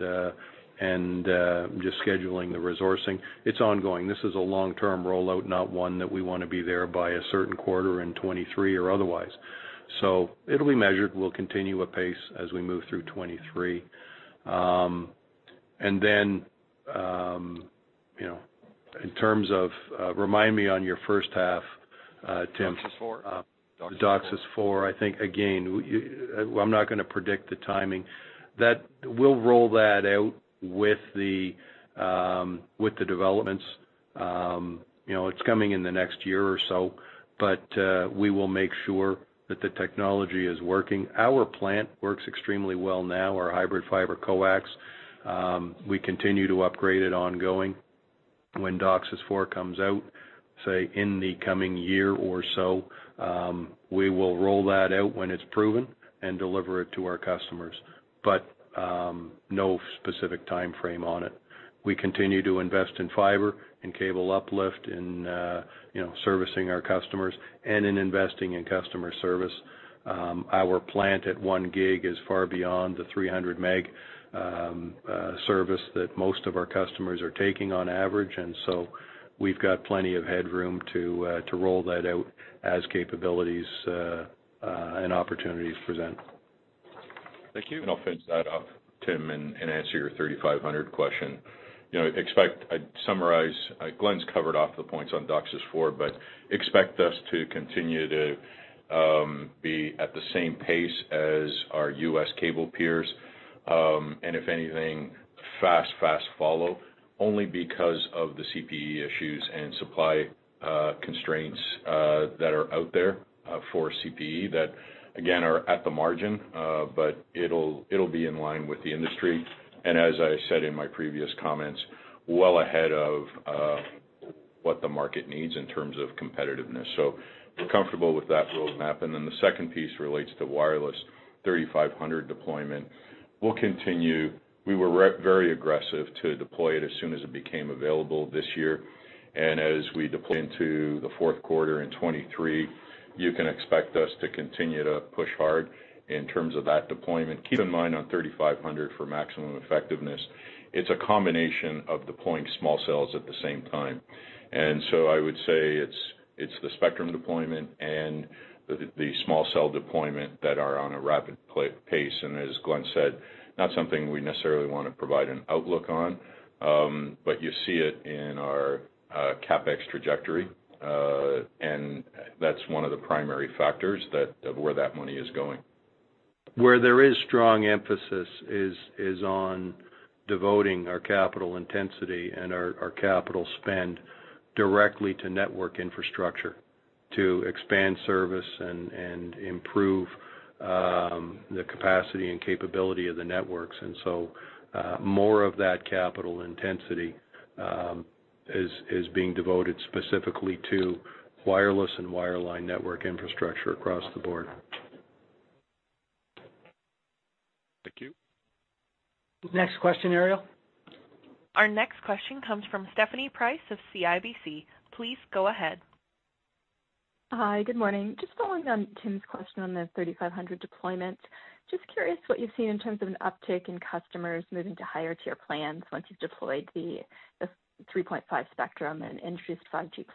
S4: just scheduling the resourcing. It's ongoing. This is a long-term rollout, not one that we wanna be there by a certain quarter in 2023 or otherwise. It'll be measured. We'll continue apace as we move through 2023. You know, in terms of remind me on your first half, Tim.
S11: DOCSIS 4.
S4: DOCSIS 4. I think, again, I'm not gonna predict the timing. We'll roll that out with the developments. You know, it's coming in the next year or so, but we will make sure that the technology is working. Our plant works extremely well now, our hybrid fiber coax. We continue to upgrade it ongoing. When DOCSIS 4 comes out, say, in the coming year or so, we will roll that out when it's proven and deliver it to our customers, but no specific time frame on it. We continue to invest in fiber and cable uplift in, you know, servicing our customers and in investing in customer service. Our plant at one gig is far beyond the 300 meg service that most of our customers are taking on average. We've got plenty of headroom to roll that out as capabilities and opportunities present.
S11: Thank you.
S3: I'll finish that off, Tim, and answer your 3500 question. You know, I'd summarize. Glenn's covered off the points on DOCSIS 4.0, but expect us to continue to be at the same pace as our U.S. cable peers, and if anything, fast follow, only because of the CPE issues and supply constraints that are out there for CPE that again are at the margin. But it'll be in line with the industry. As I said in my previous comments, well ahead of. What the market needs in terms of competitiveness. We're comfortable with that roadmap. Then the second piece relates to wireless 3500 deployment. We were very aggressive to deploy it as soon as it became available this year. As we deploy into the fourth quarter in 2023, you can expect us to continue to push hard in terms of that deployment. Keep in mind, on 3500 for maximum effectiveness, it's a combination of deploying small cells at the same time. I would say it's the spectrum deployment and the small cell deployment that are on a rapid pace, and as Glenn said, not something we necessarily wanna provide an outlook on. You see it in our CapEx trajectory, and that's one of the primary factors of where that money is going.
S4: Where there is strong emphasis is on devoting our capital intensity and our capital spend directly to network infrastructure to expand service and improve the capacity and capability of the networks. More of that capital intensity is being devoted specifically to wireless and wireline network infrastructure across the board.
S12: Thank you.
S2: Next question, Ariel.
S1: Our next question comes from Stephanie Price of CIBC. Please go ahead.
S13: Hi, good morning. Just following on Tim's question on the 3500 deployment. Just curious what you've seen in terms of an uptick in customers moving to higher tier plans once you've deployed the 3.5 spectrum and introduced 5G+.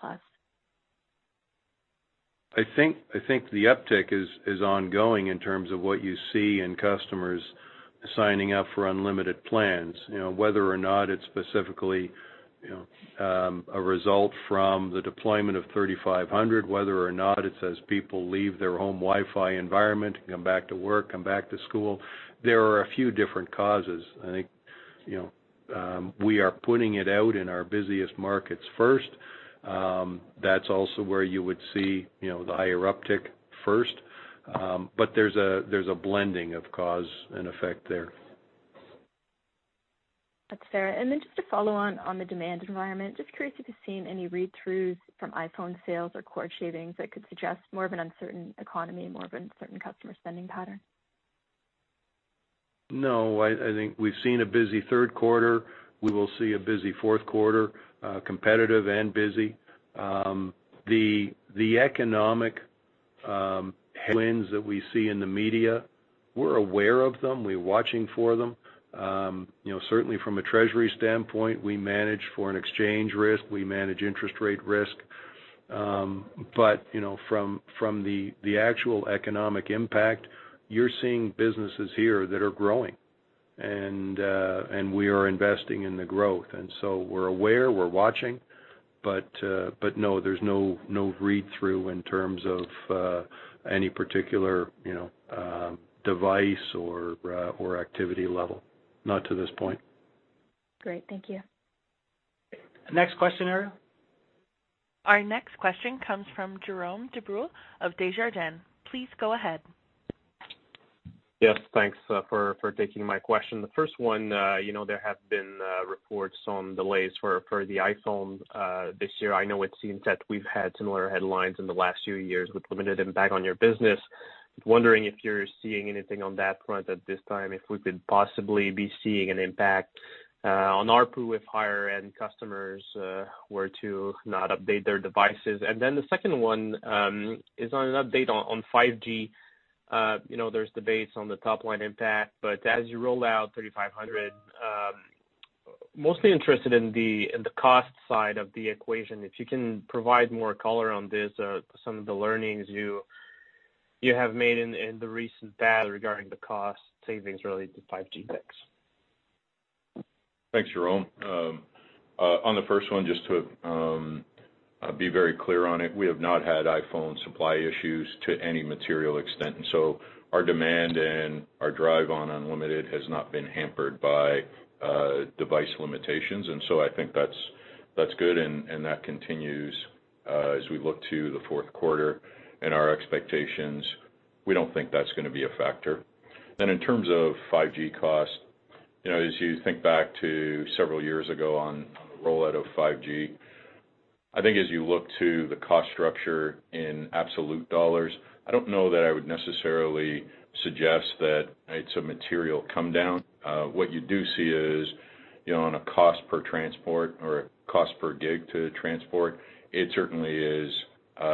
S4: I think the uptick is ongoing in terms of what you see in customers signing up for unlimited plans. You know, whether or not it's specifically a result from the deployment of 3500, whether or not it's as people leave their home Wi-Fi environment, come back to work, come back to school, there are a few different causes. I think, you know, we are putting it out in our busiest markets first. That's also where you would see, you know, the higher uptick first. But there's a blending of cause and effect there.
S13: That's fair. Just to follow on the demand environment, just curious if you've seen any read-throughs from iPhone sales or [core shavings] that could suggest more of an uncertain economy, more of an uncertain customer spending pattern?
S4: No, I think we've seen a busy third quarter. We will see a busy fourth quarter, competitive and busy. The economic headwinds that we see in the media, we're aware of them, we're watching for them. You know, certainly from a treasury standpoint, we manage foreign exchange risk, we manage interest rate risk. You know, from the actual economic impact, you're seeing businesses here that are growing, and we are investing in the growth. We're aware, we're watching, but no, there's no read-through in terms of any particular, you know, device or activity level, not to this point.
S13: Great. Thank you.
S2: Next question, Ariel.
S1: Our next question comes from Jerome Dubreuil of Desjardins. Please go ahead.
S14: Yes, thanks for taking my question. The first one, you know, there have been reports on delays for the iPhone this year. I know it seems that we've had similar headlines in the last few years with limited impact on your business. Wondering if you're seeing anything on that front at this time, if we could possibly be seeing an impact on ARPU if higher-end customers were to not update their devices. The second one is on an update on 5G. You know, there's debates on the top line impact, but as you roll out 3500, mostly interested in the cost side of the equation. If you can provide more color on this, some of the learnings you have made in the recent past regarding the cost savings related to 5G fixed.
S3: Thanks, Jerome. On the first one, just to be very clear on it, we have not had iPhone supply issues to any material extent, and so our demand and our drive on Unlimited has not been hampered by device limitations. I think that's good, and that continues as we look to the fourth quarter and our expectations, we don't think that's gonna be a factor. In terms of 5G costs, you know, as you think back to several years ago on the rollout of 5G, I think as you look to the cost structure in absolute dollars, I don't know that I would necessarily suggest that it's a material come down. What you do see is, you know, on a cost per transport or a cost per gig to transport, it certainly is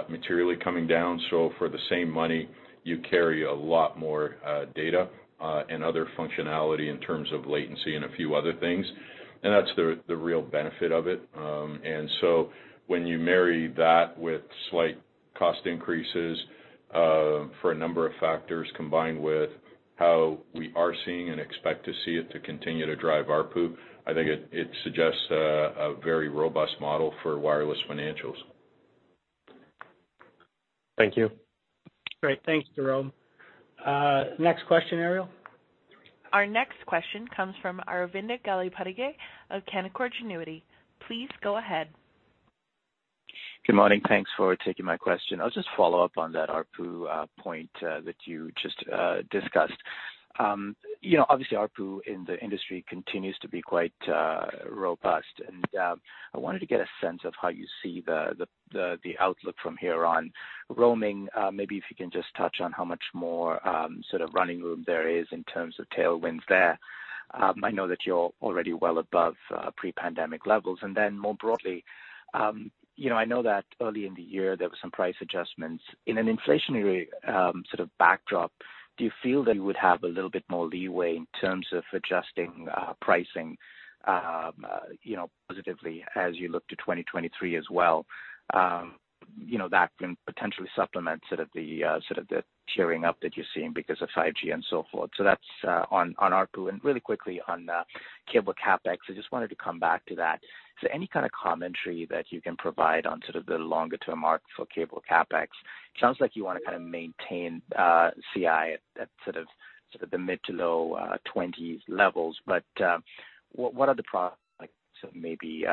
S3: materially coming down. For the same money, you carry a lot more data and other functionality in terms of latency and a few other things, and that's the real benefit of it. When you marry that with slight cost increases for a number of factors, combined with how we are seeing and expect to see it to continue to drive ARPU, I think it suggests a very robust model for wireless financials.
S14: Thank you.
S2: Great. Thanks, Jerome. Next question, Ariel.
S1: Our next question comes from Aravinda Galappatthige of Canaccord Genuity. Please go ahead.
S15: Good morning. Thanks for taking my question. I'll just follow up on that ARPU point that you just discussed. You know, obviously ARPU in the industry continues to be quite robust. I wanted to get a sense of how you see the outlook from here on. Roaming, maybe if you can just touch on how much more sort of running room there is in terms of tailwinds there. I know that you're already well above pre-pandemic levels. More broadly, you know, I know that early in the year, there were some price adjustments. In an inflationary sort of backdrop, do you feel that you would have a little bit more leeway in terms of adjusting pricing you know, positively as you look to 2023 as well? You know, that can potentially supplement sort of the tiering up that you're seeing because of 5G and so forth. That's on ARPU. Really quickly on cable CapEx, I just wanted to come back to that. Any kind of commentary that you can provide on sort of the longer-term arc for cable CapEx. Sounds like you want to kind of maintain CapEx at sort of the mid- to low-20s levels. What are the prospects of maybe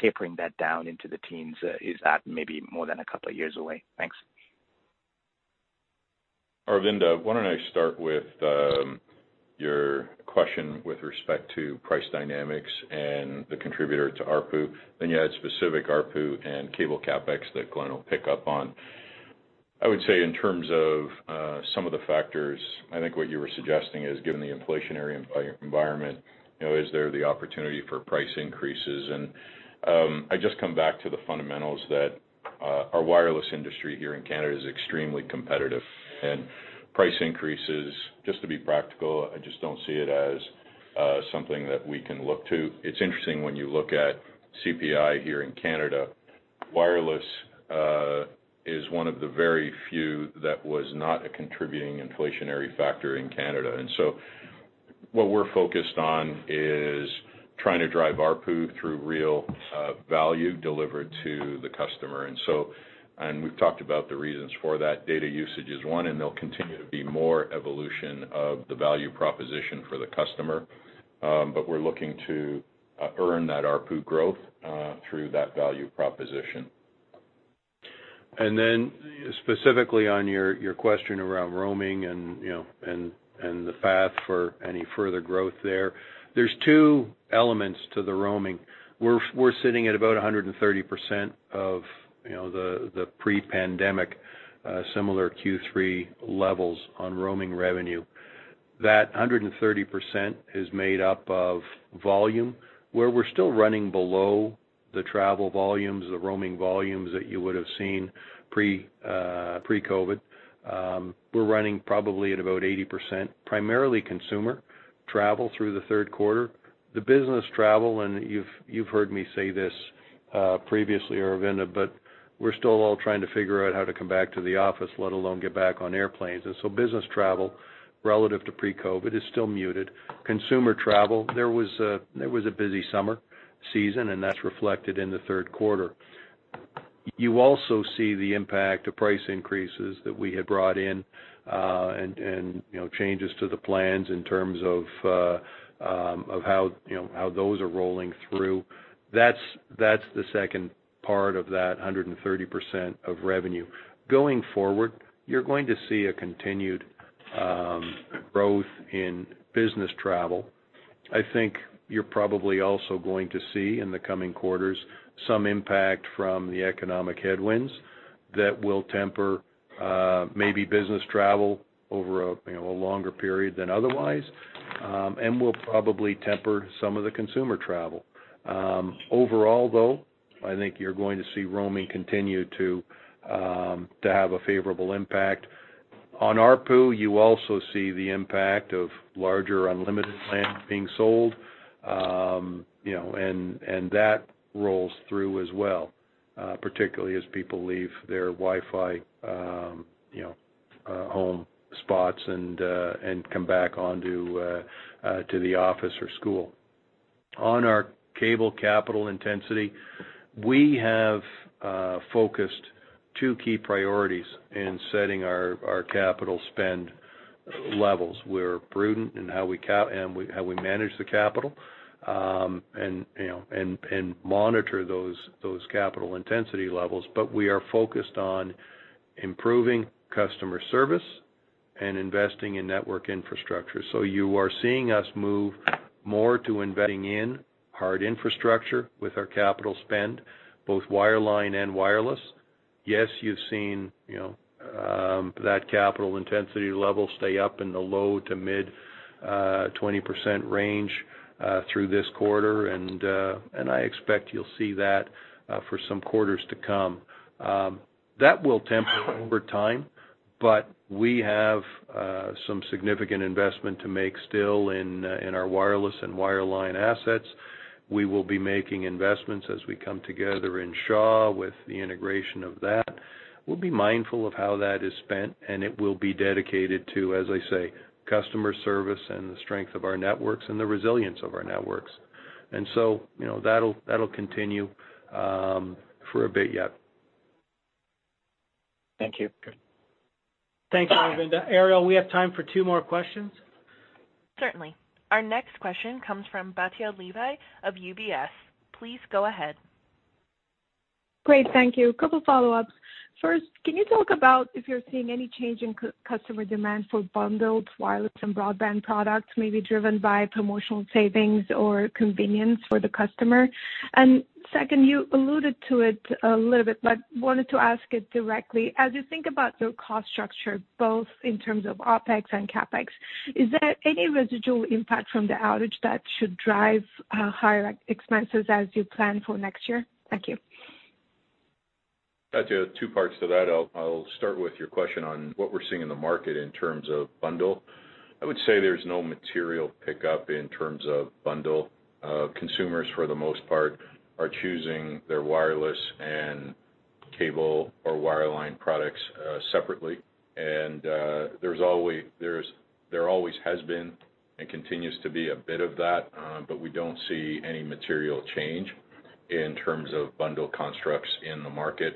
S15: tapering that down into the teens? Is that maybe more than a couple of years away? Thanks.
S3: Aravinda, why don't I start with your question with respect to price dynamics and the contributor to ARPU, then you had specific ARPU and cable CapEx that Glenn will pick up on. I would say in terms of some of the factors, I think what you were suggesting is, given the inflationary environment, you know, is there the opportunity for price increases? I just come back to the fundamentals that our wireless industry here in Canada is extremely competitive. Price increases, just to be practical, I just don't see it as something that we can look to. It's interesting when you look at CPI here in Canada, wireless is one of the very few that was not a contributing inflationary factor in Canada. What we're focused on is trying to drive ARPU through real value delivered to the customer. We've talked about the reasons for that. Data usage is one, and there'll continue to be more evolution of the value proposition for the customer. We're looking to earn that ARPU growth through that value proposition.
S4: Then specifically on your question around roaming and, you know, and the path for any further growth there's two elements to the roaming. We're sitting at about 130% of, you know, the pre-pandemic similar Q3 levels on roaming revenue. That 130% is made up of volume, where we're still running below the travel volumes, the roaming volumes that you would have seen pre-COVID. We're running probably at about 80%, primarily consumer travel through the third quarter. The business travel, and you've heard me say this previously, Aravinda, but we're still all trying to figure out how to come back to the office, let alone get back on airplanes. Business travel relative to pre-COVID is still muted. Consumer travel, there was a busy summer season, and that's reflected in the third quarter. You also see the impact of price increases that we had brought in, and you know, changes to the plans in terms of how you know how those are rolling through. That's the second part of that 130% of revenue. Going forward, you're going to see a continued growth in business travel. I think you're probably also going to see in the coming quarters some impact from the economic headwinds that will temper maybe business travel over a you know a longer period than otherwise, and will probably temper some of the consumer travel. Overall, though, I think you're going to see roaming continue to have a favorable impact. On ARPU, you also see the impact of larger unlimited plans being sold, you know, and that rolls through as well, particularly as people leave their Wi-Fi, you know, home spots and come back to the office or school. On our cable capital intensity, we have focused on two key priorities in setting our capital spend levels. We're prudent in how we CapEx and how we manage the capital, you know, and monitor those capital intensity levels. But we are focused on improving customer service and investing in network infrastructure. You are seeing us move more to investing in hard infrastructure with our capital spend, both wireline and wireless. Yes, you've seen, you know, that capital intensity level stay up in the low-to-mid 20% range through this quarter. I expect you'll see that for some quarters to come. That will temper over time, but we have some significant investment to make still in our wireless and wireline assets. We will be making investments as we come together in Shaw with the integration of that. We'll be mindful of how that is spent, and it will be dedicated to, as I say, customer service and the strength of our networks and the resilience of our networks. You know, that'll continue for a bit yet. Thank you.
S2: Thanks, Aravinda. Ariel, we have time for two more questions.
S1: Certainly. Our next question comes from Batya Levi of UBS. Please go ahead.
S16: Great. Thank you. A couple follow-ups. First, can you talk about if you're seeing any change in customer demand for bundled wireless and broadband products, maybe driven by promotional savings or convenience for the customer? Second, you alluded to it a little bit, but wanted to ask it directly. As you think about the cost structure, both in terms of OpEx and CapEx, is there any residual impact from the outage that should drive higher expenses as you plan for next year? Thank you.
S3: Batya, two parts to that. I'll start with your question on what we're seeing in the market in terms of bundle. I would say there's no material pickup in terms of bundle. Consumers, for the most part, are choosing their wireless and cable or wireline products separately. There's always been, and continues to be a bit of that, but we don't see any material change in terms of bundle constructs in the market.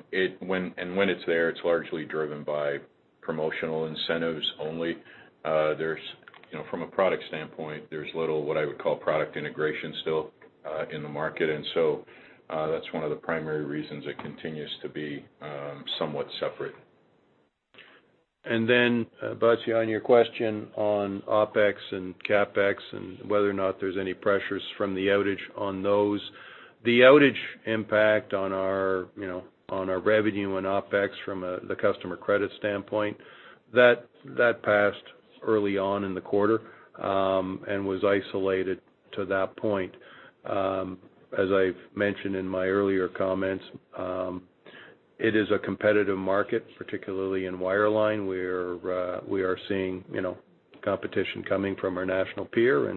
S3: When it's there, it's largely driven by promotional incentives only. There's, you know, from a product standpoint, there's little, what I would call, product integration still in the market. That's one of the primary reasons it continues to be somewhat separate.
S4: Batya, on your question on OpEx and CapEx and whether or not there's any pressures from the outage on those. The outage impact on our, you know, on our revenue and OpEx from the customer credit standpoint, that passed early on in the quarter, and was isolated to that point. As I've mentioned in my earlier comments, it is a competitive market, particularly in wireline, where we are seeing, you know, competition coming from our national peer.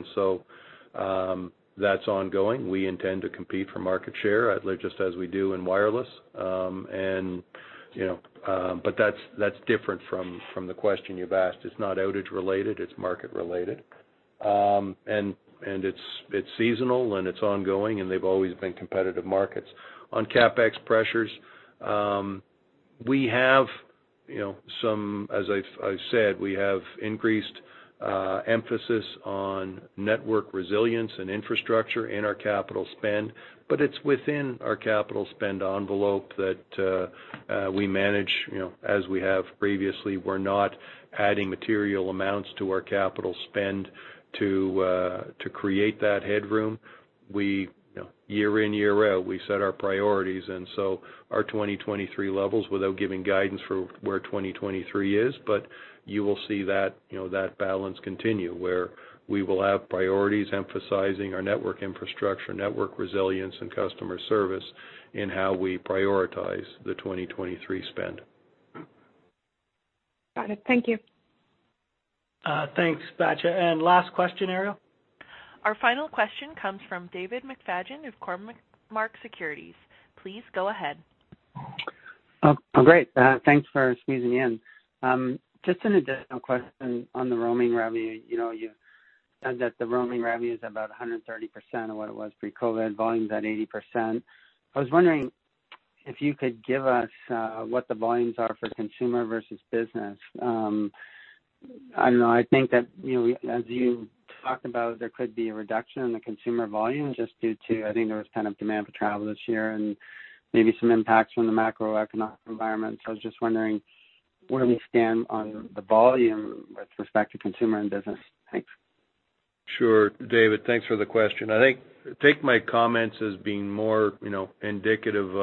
S4: That's ongoing. We intend to compete for market share, just as we do in wireless. And you know, but that's different from the question you've asked. It's not outage related, it's market related. It's seasonal and it's ongoing, and they've always been competitive markets. On CapEx pressures, as I've said, we have increased emphasis on network resilience and infrastructure in our capital spend, but it's within our capital spend envelope that we manage, you know, as we have previously. We're not adding material amounts to our capital spend to create that headroom. We, you know, year in, year out, we set our priorities. Our 2023 levels, without giving guidance for where 2023 is, but you will see that, you know, that balance continue, where we will have priorities emphasizing our network infrastructure, network resilience and customer service in how we prioritize the 2023 spend.
S16: Got it. Thank you.
S2: Thanks, Batya. Last question, Ariel.
S1: Our final question comes from David McFadgen of Cormark Securities. Please go ahead.
S17: Oh great. Thanks for squeezing me in. Just an additional question on the roaming revenue. You know, you said that the roaming revenue is about 130% of what it was pre-COVID, volume's at 80%. I was wondering if you could give us what the volumes are for consumer versus business. I don't know, I think that, you know, as you talked about, there could be a reduction in the consumer volume just due to, I think there was pent-up demand for travel this year and maybe some impacts from the macroeconomic environment. I was just wondering where we stand on the volume with respect to consumer and business. Thanks.
S4: Sure, David, thanks for the question. I think take my comments as being more, you know, indicative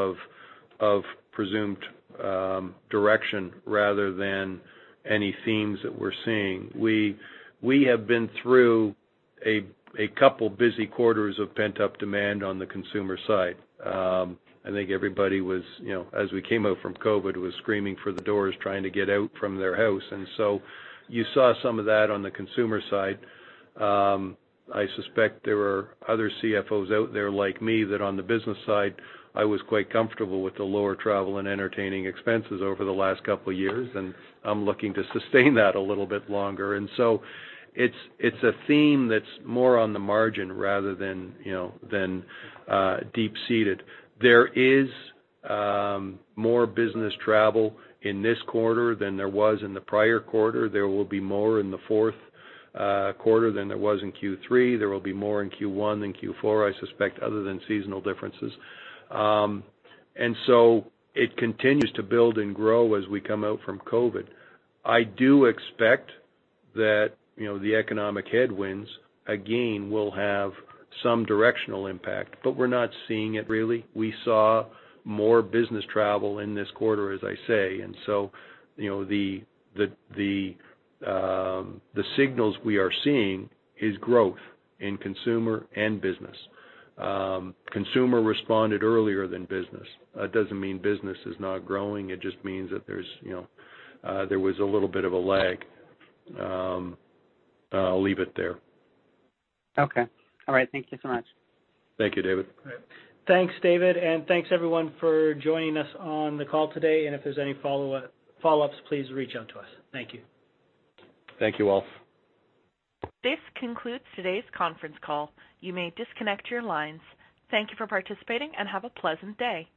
S4: of presumed direction rather than any themes that we're seeing. We have been through a couple busy quarters of pent-up demand on the consumer side. I think everybody was, you know, as we came out from COVID, screaming for the doors, trying to get out from their house. You saw some of that on the consumer side. I suspect there are other CFOs out there like me, that on the business side, I was quite comfortable with the lower travel and entertaining expenses over the last couple years, and I'm looking to sustain that a little bit longer. It's a theme that's more on the margin rather than, you know, deep-seated. There is more business travel in this quarter than there was in the prior quarter. There will be more in the fourth quarter than there was in Q3. There will be more in Q1 than Q4, I suspect, other than seasonal differences. It continues to build and grow as we come out from COVID. I do expect that, you know, the economic headwinds again will have some directional impact, but we're not seeing it really. We saw more business travel in this quarter, as I say. You know, the signals we are seeing is growth in consumer and business. Consumer responded earlier than business. Doesn't mean business is not growing. It just means that there's, you know, there was a little bit of a lag. I'll leave it there.
S17: Okay. All right. Thank you so much.
S4: Thank you, David.
S2: Thanks, David, and thanks everyone for joining us on the call today. If there's any follow up, follow-ups, please reach out to us. Thank you.
S4: Thank you, all.
S1: This concludes today's conference call. You may disconnect your lines. Thank you for participating and have a pleasant day.